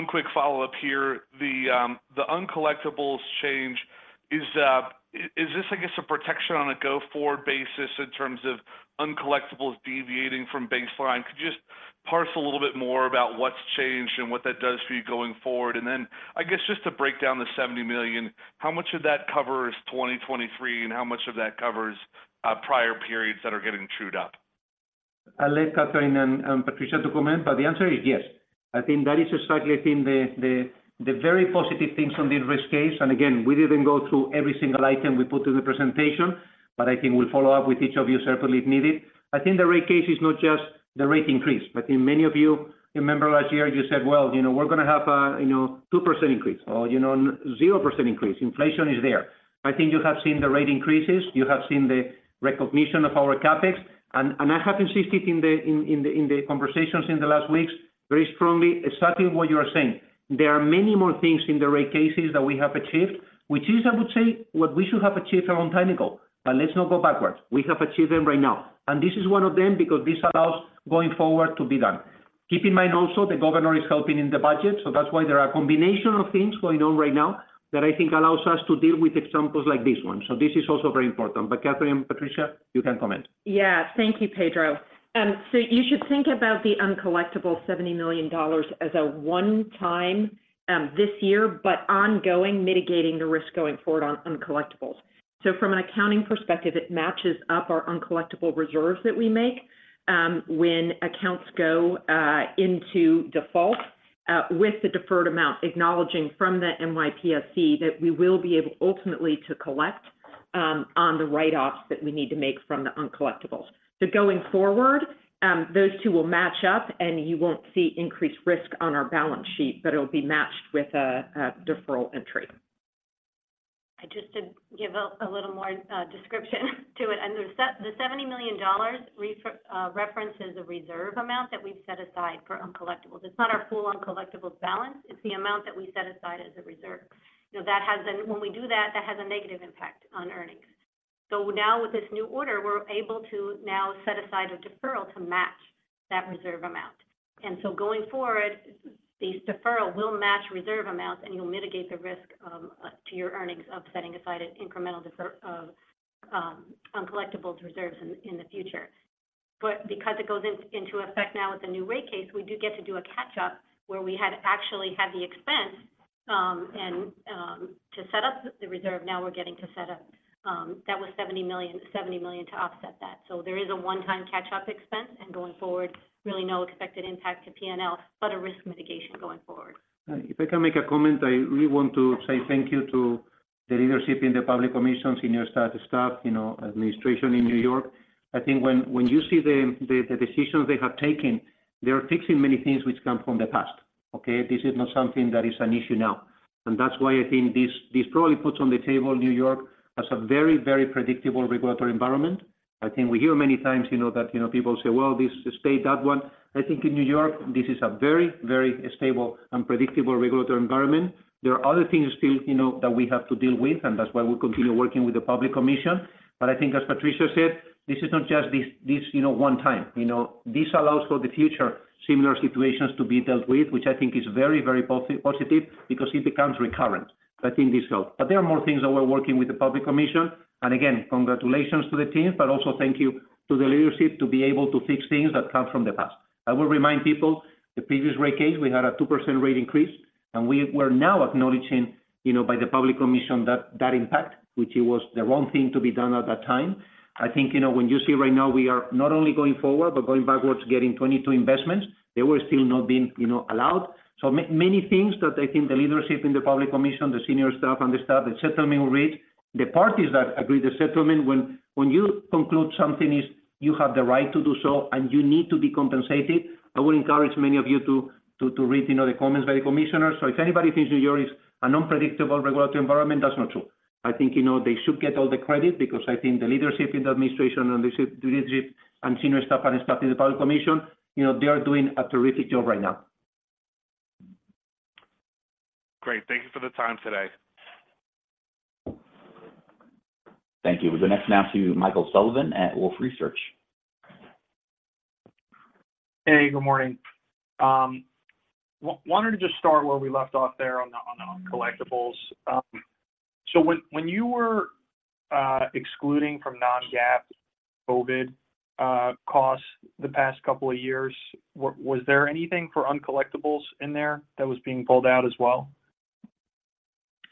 quick follow-up here. The uncollectibles change, is this, I guess, a protection on a go-forward basis in terms of uncollectibles deviating from baseline? Could you just parse a little bit more about what's changed and what that does for you going forward? And then, I guess, just to break down the $70 million, how much of that covers 2023, and how much of that covers prior periods that are getting trued up? I'll let Catherine and Patricia comment, but the answer is yes. I think that is exactly the very positive things from the risk case. And again, we didn't go through every single item we put in the presentation, but I think we'll follow up with each of you separately, if needed. I think the rate case is not just the rate increase, but I think many of you remember last year you said, "Well, you know, we're going to have a, you know, 2% increase or, you know, 0% increase." Inflation is there. I think you have seen the rate increases, you have seen the recognition of our CapEx, and I have insisted in the conversations in the last weeks, very strongly, exactly what you are saying. There are many more things in the rate cases that we have achieved, which is, I would say, what we should have achieved a long time ago, but let's not go backwards. We have achieved them right now, and this is one of them because this allows going forward to be done. Keep in mind also, the governor is helping in the budget, so that's why there are a combination of things going on right now that I think allows us to deal with examples like this one. So this is also very important. But Catherine, Patricia, you can comment. Yeah. Thank you, Pedro. So you should think about the uncollectible $70 million as a one-time this year, but ongoing, mitigating the risk going forward on uncollectibles. So from an accounting perspective, it matches up our uncollectible reserves that we make, when accounts go into default, with the deferred amount, acknowledging from the NYPSC that we will be able ultimately to collect on the write-offs that we need to make from the uncollectibles. So going forward, those two will match up, and you won't see increased risk on our balance sheet, but it'll be matched with a deferral entry. Just to give a little more description to it. The $70 million references a reserve amount that we've set aside for uncollectibles. It's not our full uncollectibles balance, it's the amount that we set aside as a reserve. You know, that has a negative impact on earnings when we do that. So now with this new order, we're able to now set aside a deferral to match that reserve amount. And so going forward, this deferral will match reserve amounts, and you'll mitigate the risk to your earnings of setting aside an incremental deferral of uncollectibles reserves in the future. But because it goes into effect now with the new rate case, we do get to do a catch-up where we had actually had the expense, and to set up the reserve, now we're getting to set up. That was $70 million, $70 million to offset that. So there is a one-time catch-up expense, and going forward, really no expected impact to PNL, but a risk mitigation going forward. If I can make a comment, I really want to say thank you to the leadership in the Public Service Commission, senior staff, staff, you know, administration in New York. I think when you see the decisions they have taken, they are fixing many things which come from the past, okay? This is not something that is an issue now. And that's why I think this probably puts on the table New York, as a very, very predictable regulatory environment. I think we hear many times, you know, that, you know, people say, "Well, this state, that one." I think in New York, this is a very, very stable and predictable regulatory environment. There are other things still, you know, that we have to deal with, and that's why we continue working with the Public Service Commission. But I think as Patricia said, this is not just this, this, you know, one time. You know, this allows for the future similar situations to be dealt with, which I think is very, very positive because it becomes recurrent. I think this helps. But there are more things that we're working with the Public Service Commission. And again, congratulations to the team, but also thank you to the leadership to be able to fix things that come from the past. I will remind people, the previous rate case, we had a 2% rate increase, and we're now acknowledging, you know, by the Public Service Commission, that, that impact, which it was the wrong thing to be done at that time. I think, you know, when you see right now, we are not only going forward, but going backwards, getting 22 investments, they were still not being, you know, allowed. So many things that I think the leadership in the Public Service Commission, the senior staff and the staff, the settlement rate, the parties that agreed the settlement, when you conclude something is you have the right to do so and you need to be compensated, I would encourage many of you to read, you know, the comments by the commissioners. So if anybody thinks New York is an unpredictable regulatory environment, that's not true. I think, you know, they should get all the credit because I think the leadership in the administration and the leadership and senior staff and staff in the Public Service Commission, you know, they are doing a terrific job right now. Great. Thank you for the time today. Thank you. The next now to Michael Sullivan at Wolfe Research. Hey, good morning. Wanted to just start where we left off there on the, on the uncollectibles. So when you were excluding from non-GAAP COVID costs the past couple of years, was there anything for uncollectibles in there that was being pulled out as well?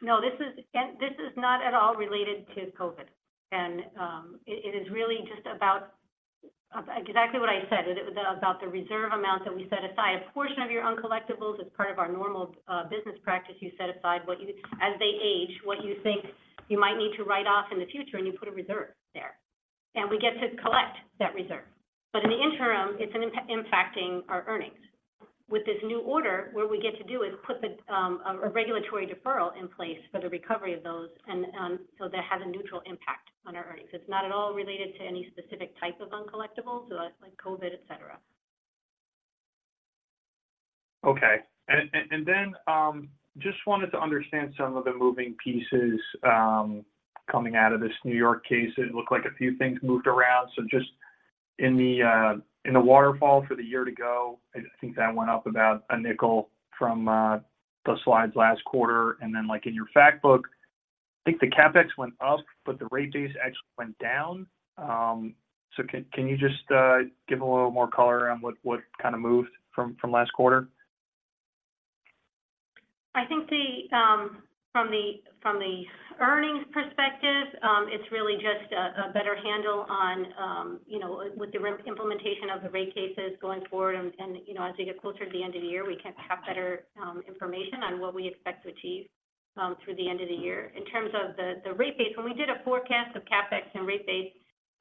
No, this is not at all related to COVID. It is really just about exactly what I said. It was about the reserve amounts that we set aside. A portion of your uncollectibles is part of our normal business practice. You set aside what you—as they age, what you think you might need to write off in the future, and you put a reserve there. We get to collect that reserve. But in the interim, it's impacting our earnings. With this new order, what we get to do is put the regulatory deferral in place for the recovery of those, and so that has a neutral impact on our earnings. It's not at all related to any specific type of uncollectibles, so like COVID, etc. Okay. And then, just wanted to understand some of the moving pieces, coming out of this New York case. It looked like a few things moved around. So just in the waterfall for the year to go, I think that went up about $0.05 from the slides last quarter. And then, like in your fact book, I think the CapEx went up, but the rate base actually went down. So can you just give a little more color on what kind of moved from last quarter? I think from the earnings perspective, it's really just a better handle on, you know, with the implementation of the rate cases going forward. And, you know, as we get closer to the end of the year, we can have better information on what we expect to achieve through the end of the year. In terms of the rate base, when we did a forecast of CapEx and rate base,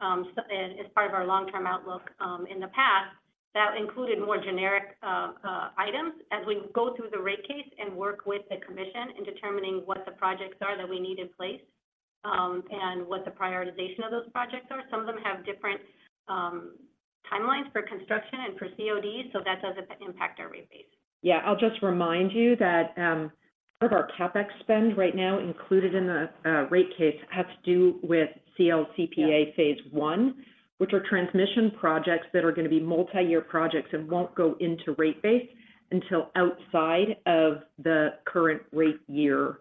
as part of our long-term outlook, in the past, that included more generic items. As we go through the rate case and work with the commission in determining what the projects are that we need in place, and what the prioritization of those projects are, some of them have different timelines for construction and for COD, so that doesn't impact our rate base. Yeah. I'll just remind you that, part of our CapEx spend right now, included in the, rate case, has to do with CLCPA Phase 1, which are transmission projects that are going to be multi-year projects and won't go into rate base until outside of the current rate year,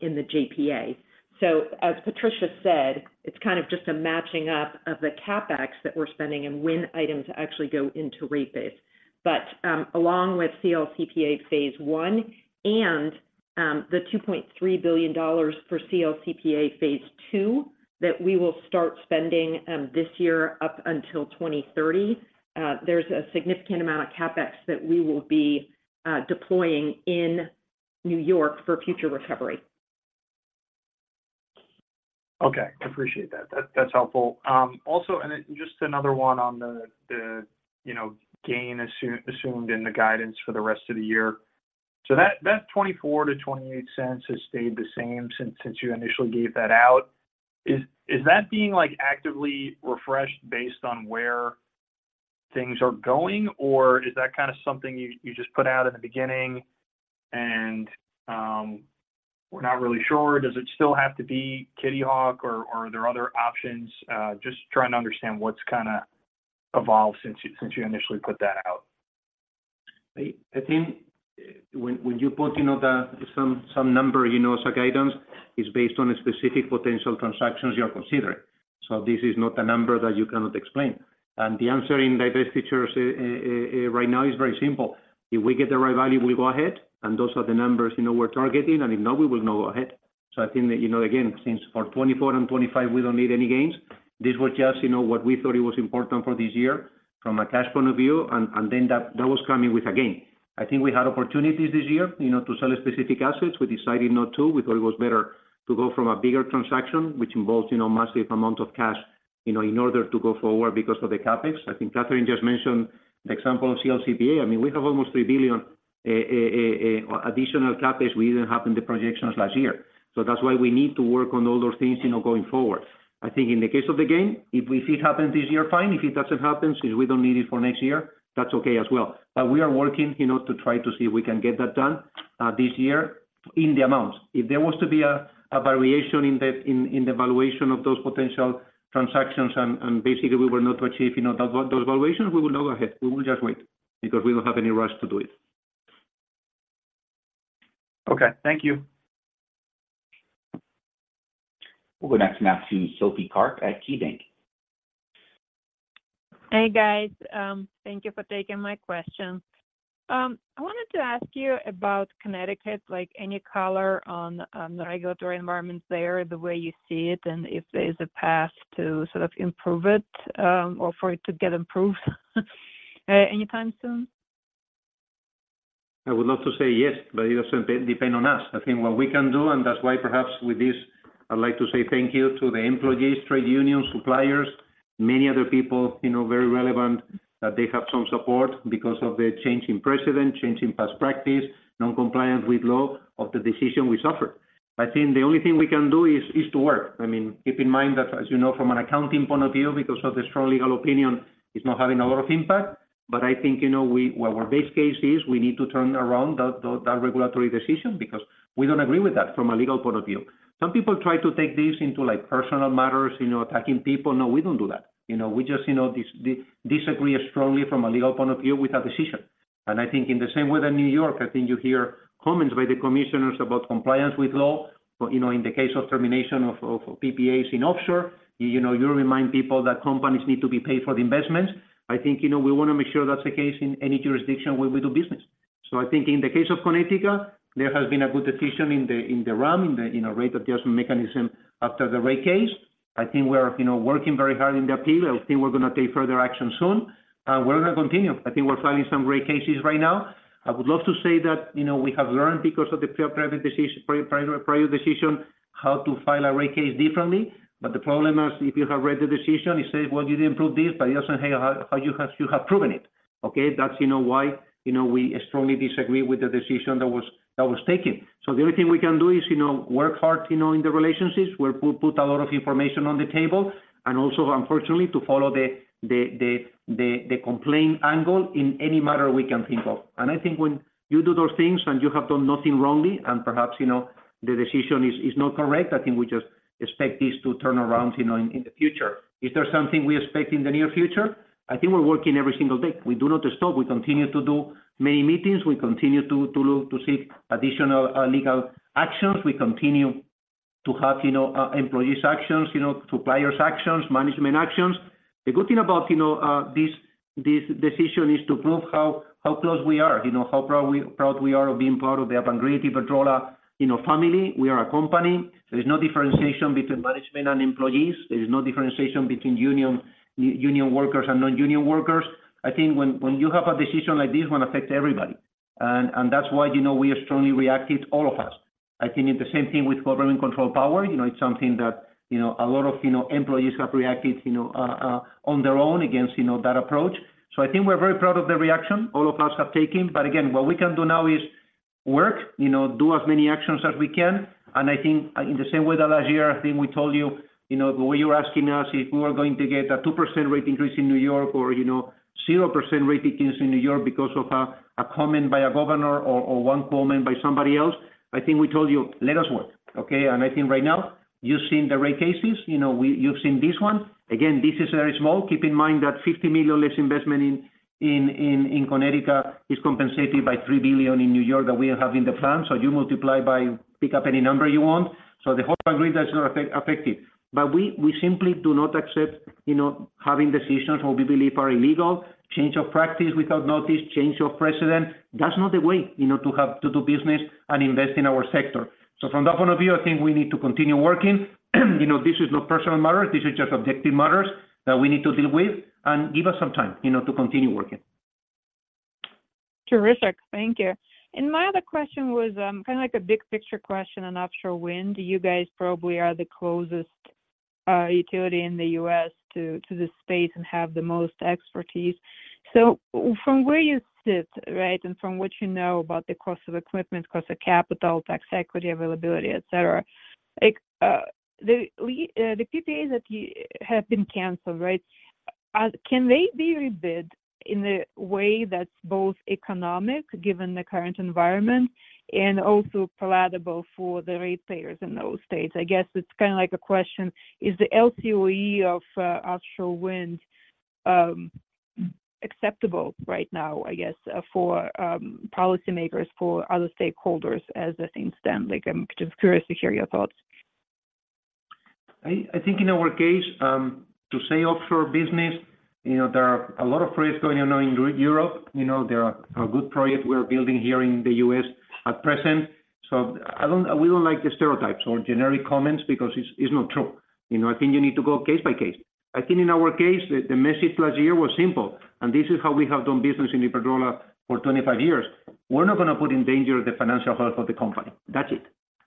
in the JPA. So, as Patricia said, it's kind of just a matching up of the CapEx that we're spending and when items actually go into rate base. But, along with CLCPA Phase 1 and, the $2.3 billion for CLCPA Phase 2, that we will start spending, this year up until 2030, there's a significant amount of CapEx that we will be, deploying in New York for future recovery. Okay, appreciate that. That's helpful. Also, and then just another one on the gain assumed in the guidance for the rest of the year. So that $0.24-$0.28 has stayed the same since you initially gave that out. Is that being, like, actively refreshed based on where things are going, or is that kind of something you just put out in the beginning and we're not really sure? Does it still have to be Kitty Hawk, or are there other options? Just trying to understand what's kind of evolved since you initially put that out. I think when you put, you know, some number, you know, as a guidance, is based on a specific potential transactions you are considering. So this is not a number that you cannot explain. And the answer in divestitures right now is very simple. If we get the right value, we go ahead, and those are the numbers, you know, we're targeting, and if not, we will not go ahead. So I think that, you know, again, since for 2024 and 2025, we don't need any gains, this was just, you know, what we thought it was important for this year from a cash point of view, and then that was coming with a gain. I think we had opportunities this year, you know, to sell specific assets. We decided not to. We thought it was better to go from a bigger transaction, which involves, you know, massive amount of cash, you know, in order to go forward because of the CapEx. I think Catherine just mentioned the example of CLCPA. I mean, we have almost $3 billion additional CapEx we didn't have in the projections last year. So that's why we need to work on all those things, you know, going forward. I think in the case of the gain, if we see it happen this year, fine. If it doesn't happen, since we don't need it for next year, that's okay as well. But we are working, you know, to try to see if we can get that done, this year in the amount. If there was to be a variation in the valuation of those potential transactions and basically we were not to achieve, you know, those valuations, we will not go ahead. We will just wait because we don't have any rush to do it. Okay. Thank you. We'll go next now to Sophie Karp at KeyBanc. Hey, guys. Thank you for taking my question. I wanted to ask you about Connecticut, like, any color on the regulatory environment there, the way you see it, and if there is a path to sort of improve it, or for it to get improved, anytime soon? I would love to say yes, but it doesn't depend on us. I think what we can do, and that's why perhaps with this, I'd like to say thank you to the employees, trade unions, suppliers, many other people, you know, very relevant, that they have some support because of the change in precedent, change in past practice, non-compliance with law of the decision we suffered. I think the only thing we can do is to work. I mean, keep in mind that, as you know, from an accounting point of view, because of the strong legal opinion, it's not having a lot of impact, but I think, you know, well, our base case is we need to turn around that regulatory decision because we don't agree with that from a legal point of view. Some people try to take this into, like, personal matters, you know, attacking people. No, we don't do that. You know, we just, you know, disagree strongly from a legal point of view with that decision. And I think in the same way that New York, I think you hear comments by the commissioners about compliance with law. But, you know, in the case of termination of PPAs in offshore, you know, you remind people that companies need to be paid for the investments. I think, you know, we want to make sure that's the case in any jurisdiction where we do business. So I think in the case of Connecticut, there has been a good decision in the RAM, in the rate adjustment mechanism after the rate case. I think we're, you know, working very hard in the appeal. I think we're gonna take further action soon, we're gonna continue. I think we're filing some rate cases right now. I would love to say that, you know, we have learned because of the prior decision, how to file a rate case differently. But the problem is, if you have read the decision, it says, "Well, you didn't prove this," but it doesn't say how you have proven it. Okay? That's, you know, why, you know, we strongly disagree with the decision that was taken. So the only thing we can do is, you know, work hard, you know, in the relationships, put a lot of information on the table, and also, unfortunately, to follow the complaint angle in any matter we can think of. And I think when you do those things, and you have done nothing wrongly, and perhaps, you know, the decision is not correct, I think we just expect this to turn around, you know, in the future. Is there something we expect in the near future? I think we're working every single day. We do not stop. We continue to do many meetings. We continue to look, to see additional legal actions. We continue to have, you know, employees actions, you know, suppliers actions, management actions. The good thing about, you know, this decision is to prove how close we are, you know, how proud we are of being part of the Iberdrola family. We are a company. There is no differentiation between management and employees. There is no differentiation between union workers and non-union workers. I think when you have a decision like this, one affects everybody. And that's why, you know, we have strongly reacted, all of us. I think it's the same thing with government control power. You know, it's something that, you know, a lot of, you know, employees have reacted, you know, on their own against, you know, that approach. So I think we're very proud of the reaction all of us have taken. But again, what we can do now is work, you know, do as many actions as we can. I think, in the same way that last year, I think we told you, you know, the way you're asking us if we are going to get a 2% rate increase in New York or, you know, 0% rate increase in New York because of a comment by a governor or one comment by somebody else. I think we told you, "Let us work." Okay, and I think right now, you've seen the rate cases, you know, you've seen this one. Again, this is very small. Keep in mind that $50 million less investment in Connecticut is compensated by $3 billion in New York that we have in the plan. So you multiply by, pick up any number you want. So the whole agreement is not affected. But we, we simply do not accept, you know, having decisions what we believe are illegal, change of practice without notice, change of precedent. That's not the way, you know, to have to do business and invest in our sector. So from that point of view, I think we need to continue working. You know, this is no personal matter, this is just objective matters that we need to deal with, and give us some time, you know, to continue working. Terrific. Thank you. My other question was, kind of like a big picture question on offshore wind. You guys probably are the closest utility in the U.S. to this space and have the most expertise. So from where you sit, right, and from what you know about the cost of equipment, cost of capital, tax equity, availability, etc. Like, the PPAs that you have been canceled, right? Can they be rebid in a way that's both economic, given the current environment, and also palatable for the ratepayers in those states? I guess it's kind of like a question, is the LCOE of offshore wind acceptable right now, I guess, for policymakers, for other stakeholders, as things stand? Like, I'm just curious to hear your thoughts. I think in our case, to say offshore business, you know, there are a lot of risks going on in Europe. You know, there are a good project we're building here in the U.S. at present. So we don't like the stereotypes or generic comments because it's, it's not true. You know, I think you need to go case by case. I think in our case, the message last year was simple, and this is how we have done business in Iberdrola for 25 years. We're not gonna put in danger the financial health of the company. That's it.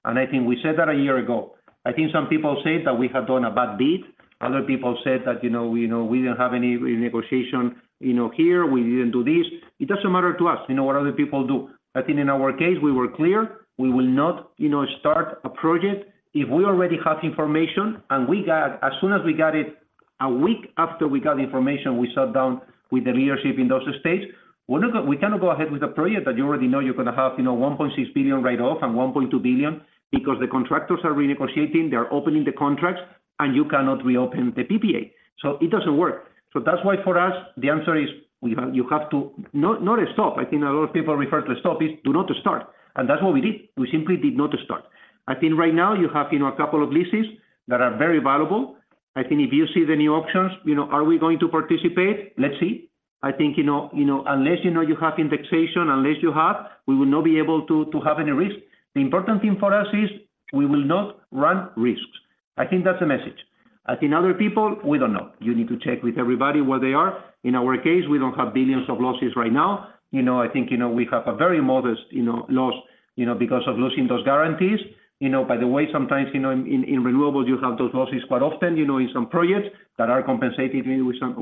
And I think we said that a year ago. I think some people said that we have done a bad bid. Other people said that, you know, we, you know, we didn't have any negotiation, you know, here, we didn't do this. It doesn't matter to us, you know, what other people do. I think in our case, we were clear, we will not, you know, start a project if we already have information, and we got, as soon as we got it, a week after we got the information, we sat down with the leadership in those states. We're not gonna, we cannot go ahead with the project, that you already know you're gonna have, you know, $1.6 billion write-off and $1.2 billion, because the contractors are renegotiating, they are opening the contracts, and you cannot reopen the PPA. So it doesn't work. So that's why, for us, the answer is, we have, you have to not, not stop. I think a lot of people refer to stop, is to not to start. And that's what we did. We simply did not to start. I think right now you have, you know, a couple of leases that are very valuable. I think if you see the new auctions, you know, are we going to participate? Let's see. I think, you know, you know, unless you know you have indexation, unless you have, we will not be able to to have any risk. The important thing for us is, we will not run risks. I think that's the message. As in other people, we don't know. You need to check with everybody where they are. In our case, we don't have billions of losses right now. You know, I think, you know, we have a very modest, you know, loss, you know, because of losing those guarantees. You know, by the way, sometimes, you know, in renewables, you have those losses quite often, you know, in some projects that are compensated with some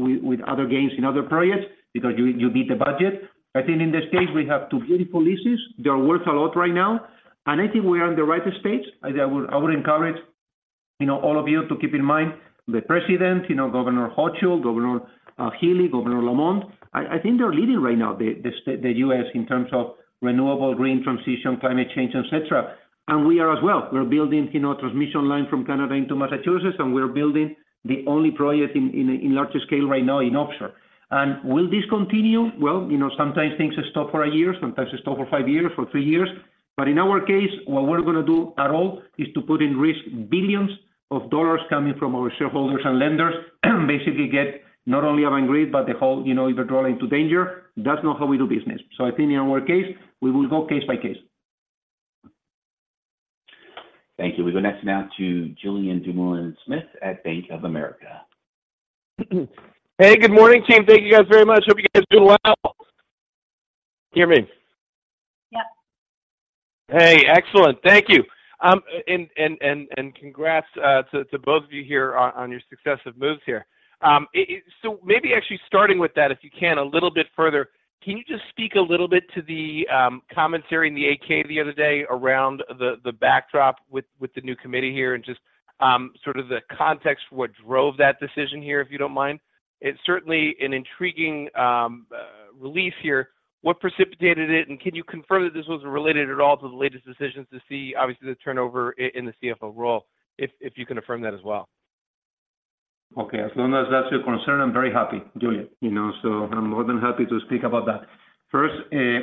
other gains in other projects because you beat the budget. I think in this case, we have two beautiful leases. They are worth a lot right now, and I think we are on the right stage. I would encourage, you know, all of you to keep in mind the president, you know, Governor Hochul, Governor Healey, Governor Lamont. I think they're leading right now, the U.S. in terms of renewable green transition, climate change, et cetera. And we are as well. We're building, you know, transmission line from Canada into Massachusetts, and we're building the only project in large scale right now in offshore. And will this continue? Well, you know, sometimes things stop for a year, sometimes they stop for five years, for three years. In our case, what we're gonna do at all is to put in risk billions of dollars coming from our shareholders and lenders, basically get not only Avangrid, but the whole, you know, [would roll] into danger. That's not how we do business. I think in our case, we will go case by case. Thank you. We go next now to Julien Dumoulin-Smith at Bank of America. Hey, good morning, team. Thank you guys very much. Hope you guys are doing well. Can you hear me? Yeah. Hey, excellent. Thank you. Congrats to both of you here on your successive moves here. So maybe actually starting with that, if you can, a little bit further, can you just speak a little bit to the commentary in the 8-K the other day around the backdrop with the new committee here and just sort of the context for what drove that decision here, if you don't mind? It's certainly an intriguing release here. What precipitated it, and can you confirm that this was related at all to the latest decisions to see, obviously, the turnover in the CFO role, if you can affirm that as well? Okay. As long as that's your concern, I'm very happy, Julien. You know, so I'm more than happy to speak about that. First,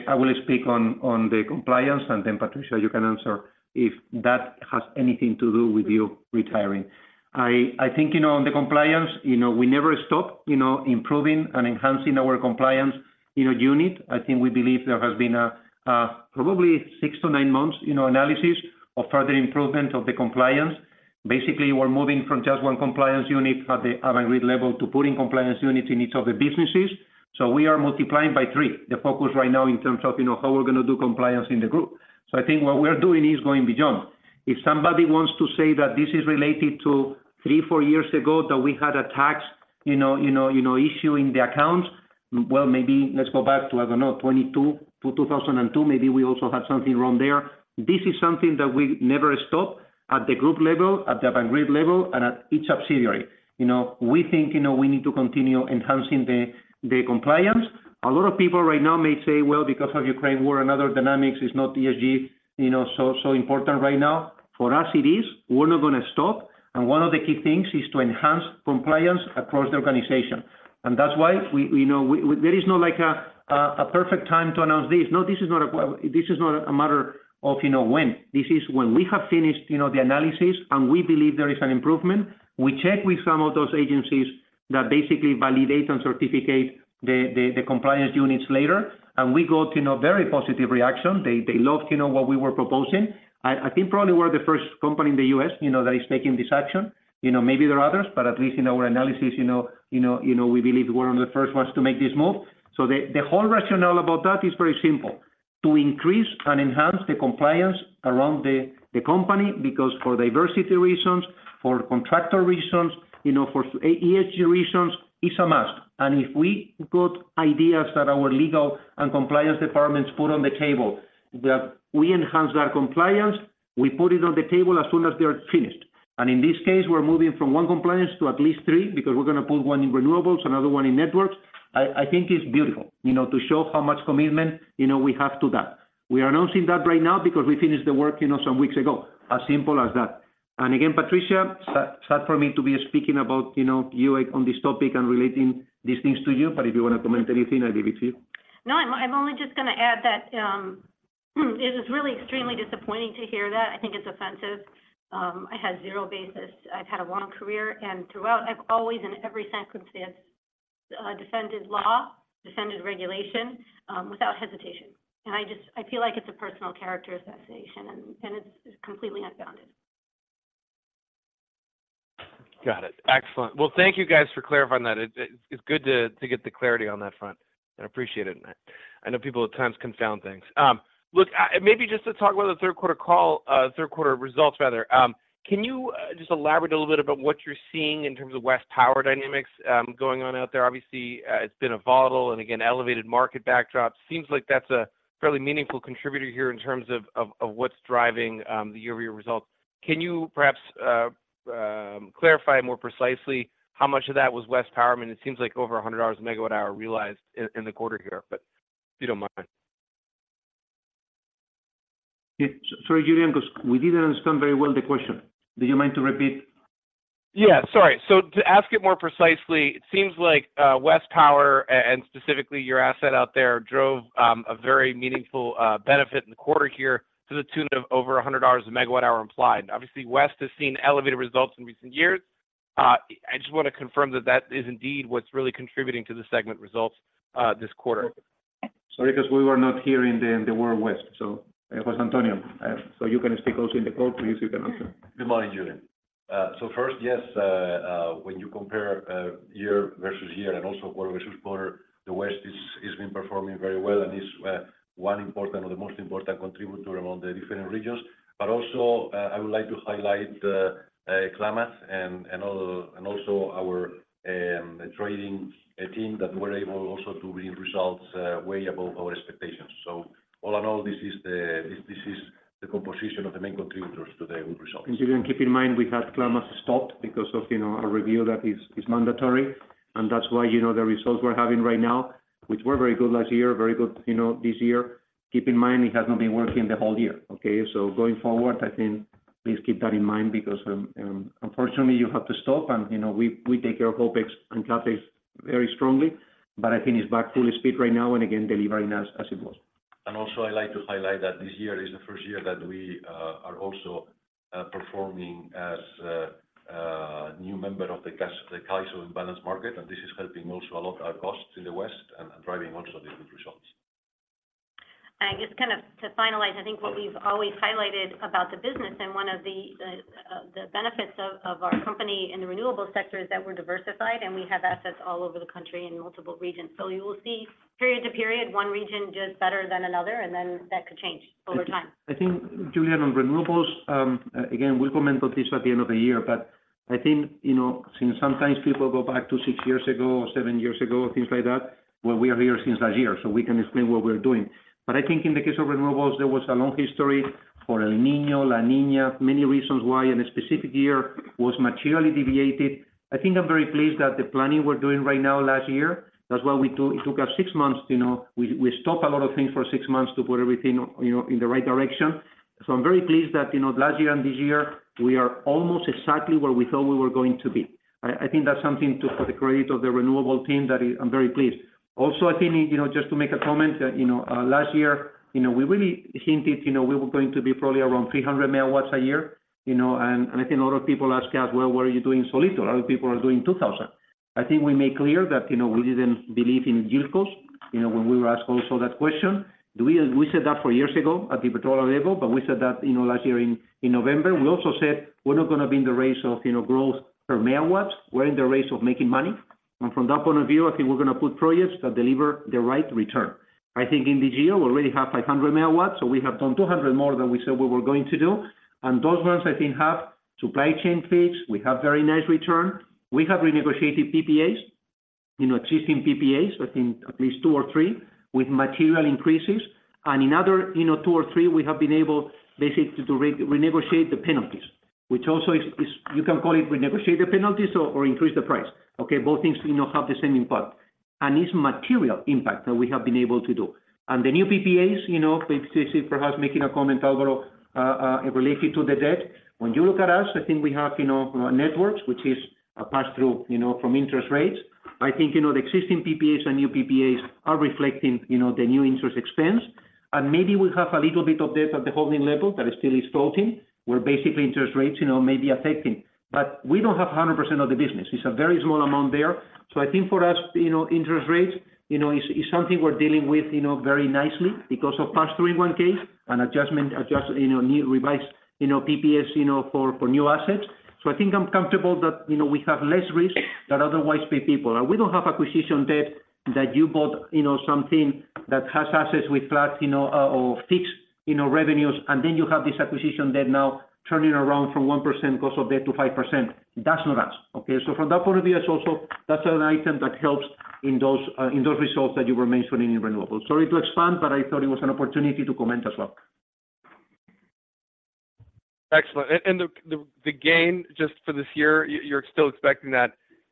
I will speak on the compliance, and then, Patricia, you can answer if that has anything to do with you retiring. I think, you know, on the compliance, you know, we never stop, you know, improving and enhancing our compliance unit. I think we believe there has been a probably six to nine months, you know, analysis of further improvement of the compliance. Basically, we're moving from just one compliance unit at the Avangrid level to putting compliance units in each of the businesses. So we are multiplying by three, the focus right now in terms of, you know, how we're gonna do compliance in the group. So I think what we're doing is going beyond. If somebody wants to say that this is related to three, four years ago, that we had a tax, you know, you know, you know, issue in the account, well, maybe let's go back to, I don't know, 2022 to 2002. Maybe we also have something wrong there. This is something that we never stop at the group level, at the Avangrid level, and at each subsidiary. You know, we think, you know, we need to continue enhancing the, the compliance. A lot of people right now may say, "Well, because of Ukraine war and other dynamics, it's not ESG, you know, so, so important right now." For us, it is. We're not gonna stop, and one of the key things is to enhance compliance across the organization. That's why we know there is no, like, a perfect time to announce this. No, this is not a, well, this is not a matter of, you know, when. This is when we have finished, you know, the analysis, and we believe there is an improvement. We check with some of those agencies that basically validate and certify the compliance units later, and we got, you know, very positive reaction. They loved, you know, what we were proposing. I think probably we're the first company in the U.S., you know, that is taking this action. You know, maybe there are others, but at least in our analysis, you know, we believe we're one of the first ones to make this move. So the whole rationale about that is very simple: to increase and enhance the compliance around the company, because for diversity reasons, for contractor reasons, you know, for ESG reasons, it's a must. And if we got ideas that our legal and compliance departments put on the table, that we enhance our compliance, we put it on the table as soon as they are finished. And in this case, we're moving from one compliance to at least three, because we're gonna put one in renewables, another one in networks. I think it's beautiful, you know, to show how much commitment, you know, we have to that. We are announcing that right now because we finished the work, you know, some weeks ago. As simple as that. And again, Patricia, sad for me to be speaking about, you know, you on this topic and relating these things to you, but if you want to comment anything, I give it to you. No, I'm only just gonna add that it is really extremely disappointing to hear that. I think it's offensive. It has zero basis. I've had a long career, and throughout, I've always, in every circumstance, defended law, defended regulation without hesitation. And I just I feel like it's a personal character assassination, and it's completely unfounded. Got it. Excellent. Well, thank you guys for clarifying that. It's good to get the clarity on that front. I appreciate it. I know people at times confound things. Look, maybe just to talk about the third quarter call, third quarter results, rather, can you just elaborate a little bit about what you're seeing in terms of West Power dynamics going on out there? Obviously, it's been a volatile and again, elevated market backdrop. Seems like that's a fairly meaningful contributor here in terms of what's driving the year-over-year results. Can you perhaps clarify more precisely how much of that was West Power? I mean, it seems like over $100/MWh realized in the quarter here, but if you don't mind. Yeah. Sorry, Julien, because we didn't understand very well the question. Do you mind to repeat? Yeah, sorry. So to ask it more precisely, it seems like West Power, and specifically your asset out there, drove a very meaningful benefit in the quarter here to the tune of over $100/MWh implied. Obviously, West has seen elevated results in recent years. I just want to confirm that that is indeed what's really contributing to the segment results this quarter. Sorry, because we were not hearing the word West. So, José Antonio, so you can speak also in the call, please, you can answer. Good morning, Julien. So first, yes, when you compare year versus year and also quarter versus quarter, the West is been performing very well, and is one important or the most important contributor among the different regions. But also, I would like to highlight the Klamath and all and also our trading team, that we're able also to bring results way above our expectations. So all in all, this is the composition of the main contributors to the good results. Julien, keep in mind, we had Klamath stopped because of, you know, a review that is mandatory, and that's why, you know, the results we're having right now, which were very good last year, very good, you know, this year. Keep in mind, it has not been working the whole year, okay? So going forward, I think please keep that in mind because, unfortunately, you have to stop. And, you know, we take care of OpEx and CapEx very strongly, but I think it's back full speed right now, and again, delivering as it was. And also, I like to highlight that this year is the first year that we are also performing as a new member of the CAISO imbalance market, and this is helping also a lot our costs in the West and driving also these good results. I guess kind of to finalize, I think what we've always highlighted about the business and one of the benefits of our company in the renewable sector is that we're diversified, and we have assets all over the country in multiple regions. So you will see period to period, one region does better than another, and then that could change over time. I think, Julien, on renewables, again, we'll comment on this at the end of the year, but I think, you know, since sometimes people go back to six years ago or seven years ago, things like that, well, we are here since last year, so we can explain what we're doing. But I think in the case of renewables, there was a long history for El Niño, La Niña, many reasons why in a specific year was materially deviated. I think I'm very pleased that the planning we're doing right now, last year, that's why it took us six months, you know, we stopped a lot of things for six months to put everything, you know, in the right direction. So I'm very pleased that, you know, last year and this year, we are almost exactly where we thought we were going to be. I, I think that's something to the credit of the renewable team that is, I'm very pleased. Also, I think, you know, just to make a comment, you know, last year, you know, we really hinted, you know, we were going to be probably around 300 MW a year, you know, and, and I think a lot of people asked us, "Well, why are you doing so little? A lot of people are doing 2,000 MW." I think we made clear that, you know, we didn't believe in YieldCos, you know, when we were asked also that question. Do we, we said that four years ago at the portfolio level, but we said that, you know, last year in November. We also said we're not gonna be in the race of, you know, growth per megawatts. We're in the race of making money, and from that point of view, I think we're gonna put projects that deliver the right return. I think in the year, we already have 500 MW, so we have done 200 MW more than we said we were going to do. And those ones, I think, have supply chain fees. We have very nice return. We have renegotiated PPAs, you know, existing PPAs, I think at least two or three, with material increases. And in other, you know, two or three, we have been able, basically, to renegotiate the penalties, which also is you can call it renegotiate the penalties or increase the price, okay? Both things, you know, have the same impact, and it's material impact that we have been able to do. The new PPAs, you know, perhaps making a comment, Álvaro, related to the debt. When you look at us, I think we have, you know, networks, which is a pass-through, you know, from interest rates. I think, you know, the existing PPAs and new PPAs are reflecting, you know, the new interest expense, and maybe we have a little bit of debt at the holding level that still is floating, where basically interest rates, you know, may be affecting. But we don't have 100% of the business. It's a very small amount there. So I think for us, you know, interest rates, you know, is, is something we're dealing with, you know, very nicely because of pass-through in one case, an adjustment, adjust, you know, new, revised, you know, PPAs, you know, for, for new assets. So I think I'm comfortable that, you know, we have less risk than otherwise be people. And we don't have acquisition debt that you bought, you know, something that has assets with flat, you know, or fixed, you know, revenues, and then you have this acquisition debt now turning around from 1% cost of debt to 5%. That's not us, okay? So from that point of view, that's also, that's an item that helps in those, in those results that you were mentioning in renewables. Sorry to expand, but I thought it was an opportunity to comment as well. Excellent. And the gain just for this year, you're still expecting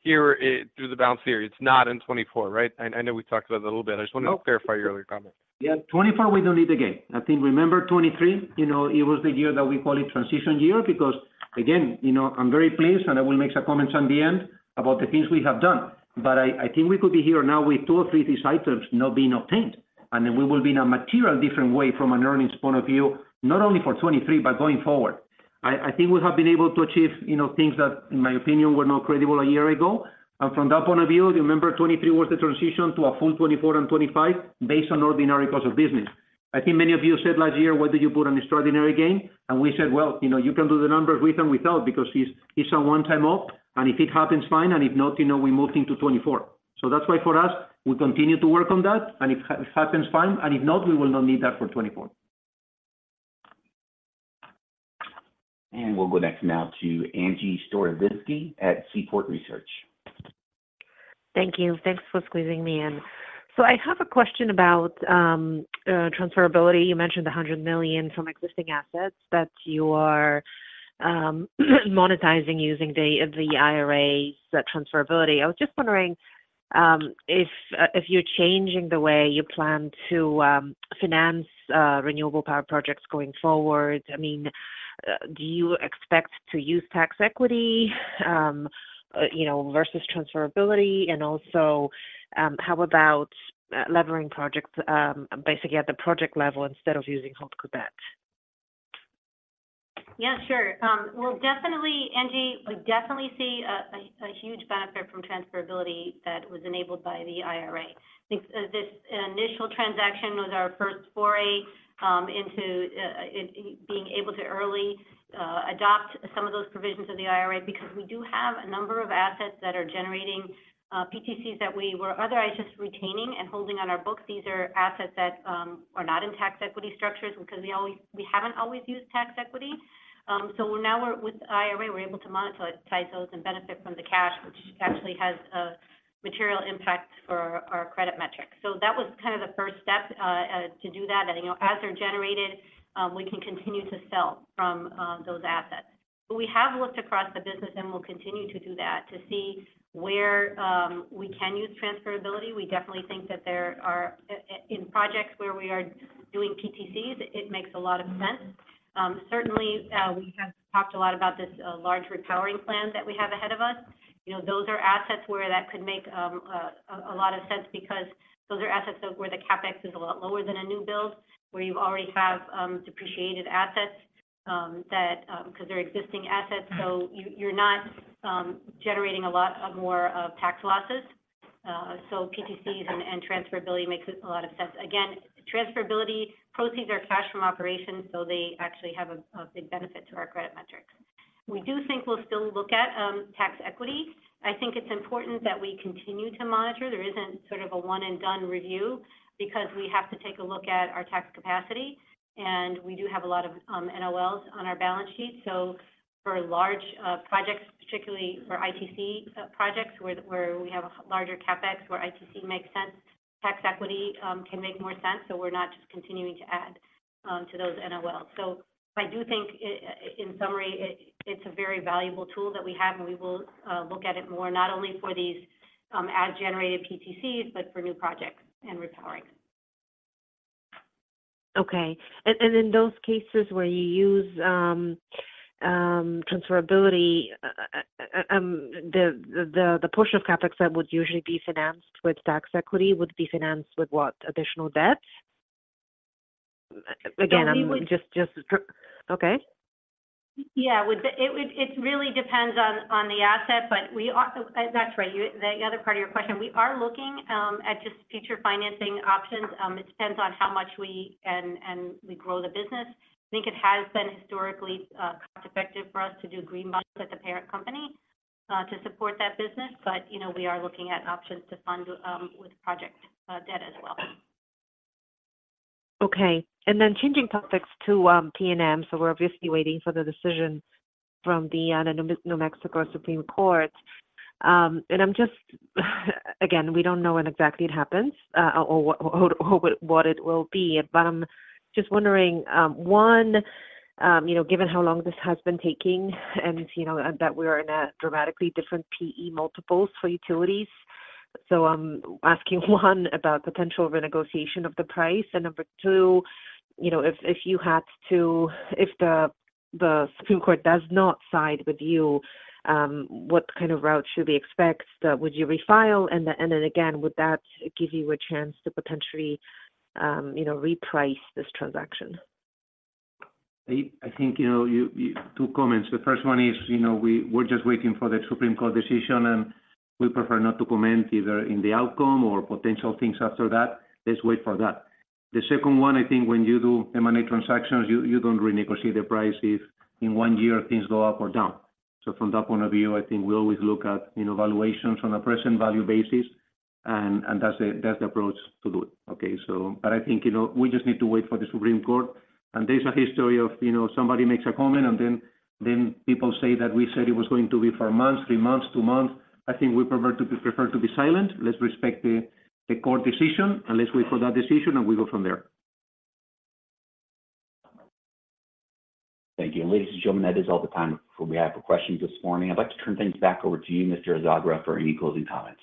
that here, through the balance of the year. It's not in 2024, right? I know we talked about it a little bit. I just wanted to clarify your earlier comment. Yeah, 2024, we don't need the gain. I think, remember 2023, you know, it was the year that we call it transition year, because, again, you know, I'm very pleased, and I will make some comments on the end about the things we have done. But I, I think we could be here now with two or three of these items not being obtained, and then we will be in a material different way from an earnings point of view, not only for 2023, but going forward. I, I think we have been able to achieve, you know, things that, in my opinion, were not credible a year ago. And from that point of view, remember, 2023 was the transition to a full 2024 and 2025 based on ordinary course of business. I think many of you said last year, "Whether you put an extraordinary gain?" And we said, "Well, you know, you can do the numbers with and without, because it's, it's a one-time off, and if it happens, fine, and if not, you know, we moved into 2024." So that's why for us, we continue to work on that, and if it happens, fine, and if not, we will not need that for 2024. We'll go next now to Angie Storozynski at Seaport Research. Thank you. Thanks for squeezing me in. So I have a question about transferability. You mentioned the $100 million from existing assets that you are monetizing using the IRA, the transferability. I was just wondering if you're changing the way you plan to finance renewable power projects going forward. I mean, do you expect to use tax equity, you know, versus transferability? And also, how about levering projects basically at the project level instead of using whole debt? Yeah, sure. We'll definitely, Angie, we definitely see a huge benefit from transferability that was enabled by the IRA. I think, this initial transaction was our first foray into being able to early adopt some of those provisions of the IRA, because we do have a number of assets that are generating PTCs that we were otherwise just retaining and holding on our books. These are assets that are not in tax equity structures because we always-- we haven't always used tax equity. So now we're, with the IRA, we're able to monetize those and benefit from the cash, which actually has a material impact for our credit metrics. So that was kind of the first step to do that. And, you know, as they're generated, we can continue to sell from those assets. But we have looked across the business and we'll continue to do that, to see where we can use transferability. We definitely think that there are in projects where we are doing PTCs, it makes a lot of sense. Certainly, we have talked a lot about this large repowering plan that we have ahead of us. You know, those are assets where that could make a lot of sense because those are assets of where the CapEx is a lot lower than a new build, where you already have depreciated assets that because they're existing assets, so you, you're not generating a lot of more of tax losses. So PTCs and transferability makes a lot of sense. Again, transferability proceeds are cash from operations, so they actually have a big benefit to our credit metrics. We do think we'll still look at tax equity. I think it's important that we continue to monitor. There isn't sort of a one and done review because we have to take a look at our tax capacity, and we do have a lot of NOLs on our balance sheet. For large projects, particularly for ITC projects, where we have a larger CapEx, where ITC makes sense, tax equity can make more sense, so we're not just continuing to add to those NOLs. I do think, in summary, it's a very valuable tool that we have, and we will look at it more, not only for these ad-generated PTCs, but for new projects and repowering. Okay. And in those cases where you use transferability, the portion of CapEx that would usually be financed with tax equity would be financed with what? Additional debt? Again, I'm just Well, we would Okay. Yeah, it really depends on the asset, but we also...That's right, the other part of your question, we are looking at just future financing options. It depends on how much we grow the business. I think it has been historically cost-effective for us to do green bonds with the parent company to support that business. But, you know, we are looking at options to fund with project debt as well. Okay. And then changing topics to PNM. So we're obviously waiting for the decision from the New Mexico Supreme Court. And I'm just, again, we don't know when exactly it happens, or what it will be. But I'm just wondering, one, you know, given how long this has been taking and you know, and that we are in a dramatically different P/E multiples for utilities, so I'm asking, one, about potential renegotiation of the price. And number two, you know, if the Supreme Court does not side with you, what kind of route should we expect? Would you refile? And then again, would that give you a chance to potentially, you know, reprice this transaction? I think you know, two comments. The first one is, you know, we're just waiting for the Supreme Court decision, and we prefer not to comment either in the outcome or potential things after that. Let's wait for that. The second one, I think when you do M&A transactions, you don't renegotiate the price if in one year things go up or down. So from that point of view, I think we always look at, you know, valuations on a present value basis, and that's the approach to do it. Okay, so but I think, you know, we just need to wait for the Supreme Court. And there's a history of, you know, somebody makes a comment, and then people say that we said it was going to be four months, three months, two months. I think we prefer to be silent. Let's respect the court decision, and let's wait for that decision, and we go from there. Thank you. Ladies and gentlemen, that is all the time we have for questions this morning. I'd like to turn things back over to you, Mr. Azagra, for any closing comments.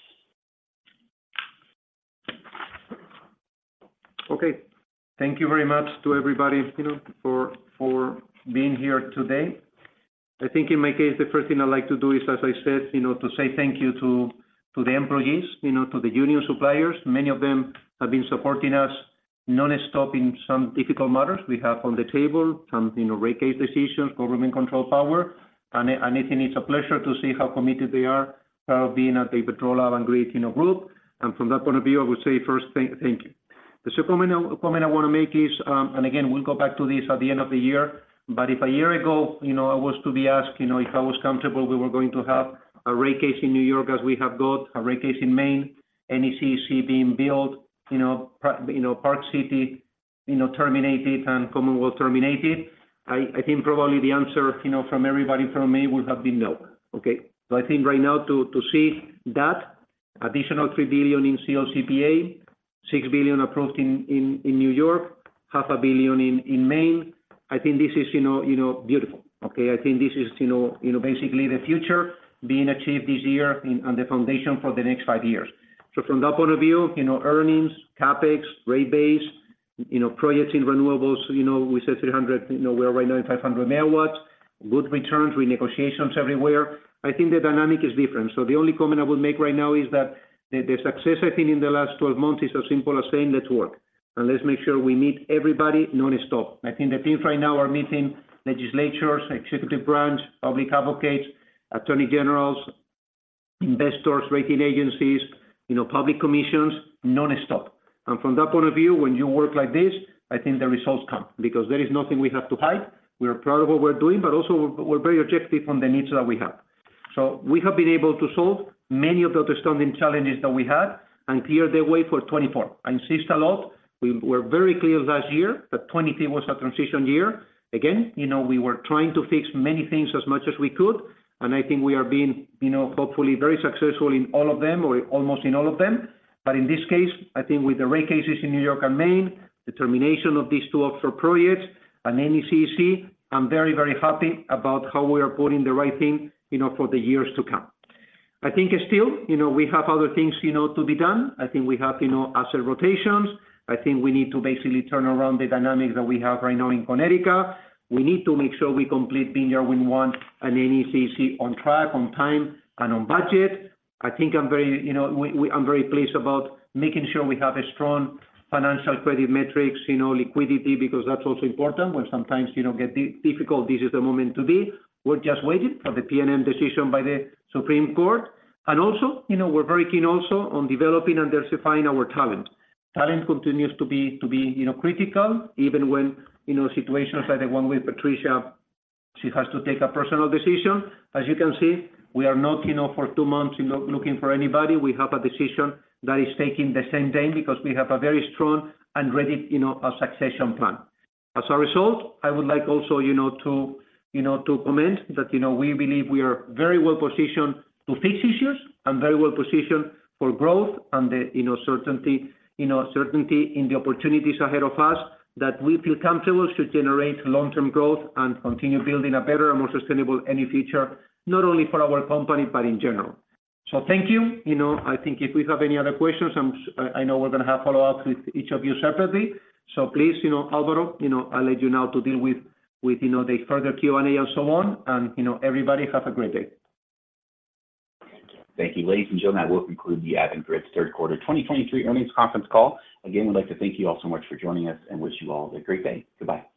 Okay. Thank you very much to everybody, you know, for being here today. I think in my case, the first thing I'd like to do is, as I said, you know, to say thank you to the employees, you know, to the union suppliers. Many of them have been supporting us nonstop in some difficult matters. We have on the table some, you know, rate case decisions, government control power, and it's a pleasure to see how committed they are, being at the patrol and great, you know, group. From that point of view, I would say first, thank you. The second comment I want to make is, and again, we'll go back to this at the end of the year, but if a year ago, you know, I was to be asked, you know, if I was comfortable, we were going to have a rate case in New York, as we have got a rate case in Maine, NECEC being built, you know, Park City, you know, terminated and Commonwealth terminated. I think probably the answer, you know, from everybody, from me, would have been no. Okay, so I think right now to see that additional $3 billion in CLCPA, $6 billion approved in New York, $500 million in Maine, I think this is, you know, beautiful. Okay, I think this is, you know, you know, basically the future being achieved this year in, on the foundation for the next five years. So from that point of view, you know, earnings, CapEx, rate base, you know, projects in renewables, you know, we said 300 MW, you know, we are right now at 500 MW, good returns, renegotiations everywhere. I think the dynamic is different. So the only comment I would make right now is that the, the success, I think, in the last 12 months is as simple as saying, "Let's work." And let's make sure we meet everybody nonstop. I think the teams right now are meeting legislatures, executive branch, public advocates, attorney generals, investors, rating agencies, you know, public commissions, nonstop. From that point of view, when you work like this, I think the results come, because there is nothing we have to hide. We are proud of what we're doing, but also we're very objective on the needs that we have. So we have been able to solve many of the outstanding challenges that we had and clear the way for 2024. I insist a lot, we were very clear last year that 2023 was a transition year. Again, you know, we were trying to fix many things as much as we could, and I think we are being, you know, hopefully very successful in all of them, or almost in all of them. But in this case, I think with the rate cases in New York and Maine, the termination of these two offshore projects and NECEC, I'm very, very happy about how we are putting the right thing, you know, for the years to come. I think still, you know, we have other things, you know, to be done. I think we have, you know, asset rotations. I think we need to basically turn around the dynamics that we have right now in Connecticut. We need to make sure we complete Vineyard Wind 1 and NECEC on track, on time, and on budget. I think I'm very, you know, I'm very pleased about making sure we have a strong financial credit metrics, you know, liquidity, because that's also important. When sometimes you don't get the difficult, this is the moment to be. We're just waiting for the PNM decision by the Supreme Court. Also, you know, we're very keen also on developing and diversifying our talent. Talent continues to be, you know, critical, even when, you know, situations like the one with Patricia, she has to take a personal decision. As you can see, we are not, you know, for two months, you know, looking for anybody. We have a decision that is taking the same day because we have a very strong and ready, you know, a succession plan. As a result, I would like also, you know, to comment that, you know, we believe we are very well-positioned to face issues and very well-positioned for growth and the, you know, certainty, you know, certainty in the opportunities ahead of us, that we feel comfortable to generate long-term growth and continue building a better and more sustainable any future, not only for our company, but in general. So thank you. You know, I think if we have any other questions, I know we're going to have follow-ups with each of you separately. So please, you know, Álvaro, you know, I'll let you now to deal with you know, the further Q&A and so on. And, you know, everybody, have a great day. Thank you. Ladies and gentlemen, that will conclude the Avangrid's third quarter 2023 earnings conference call. Again, we'd like to thank you all so much for joining us and wish you all a great day. Goodbye.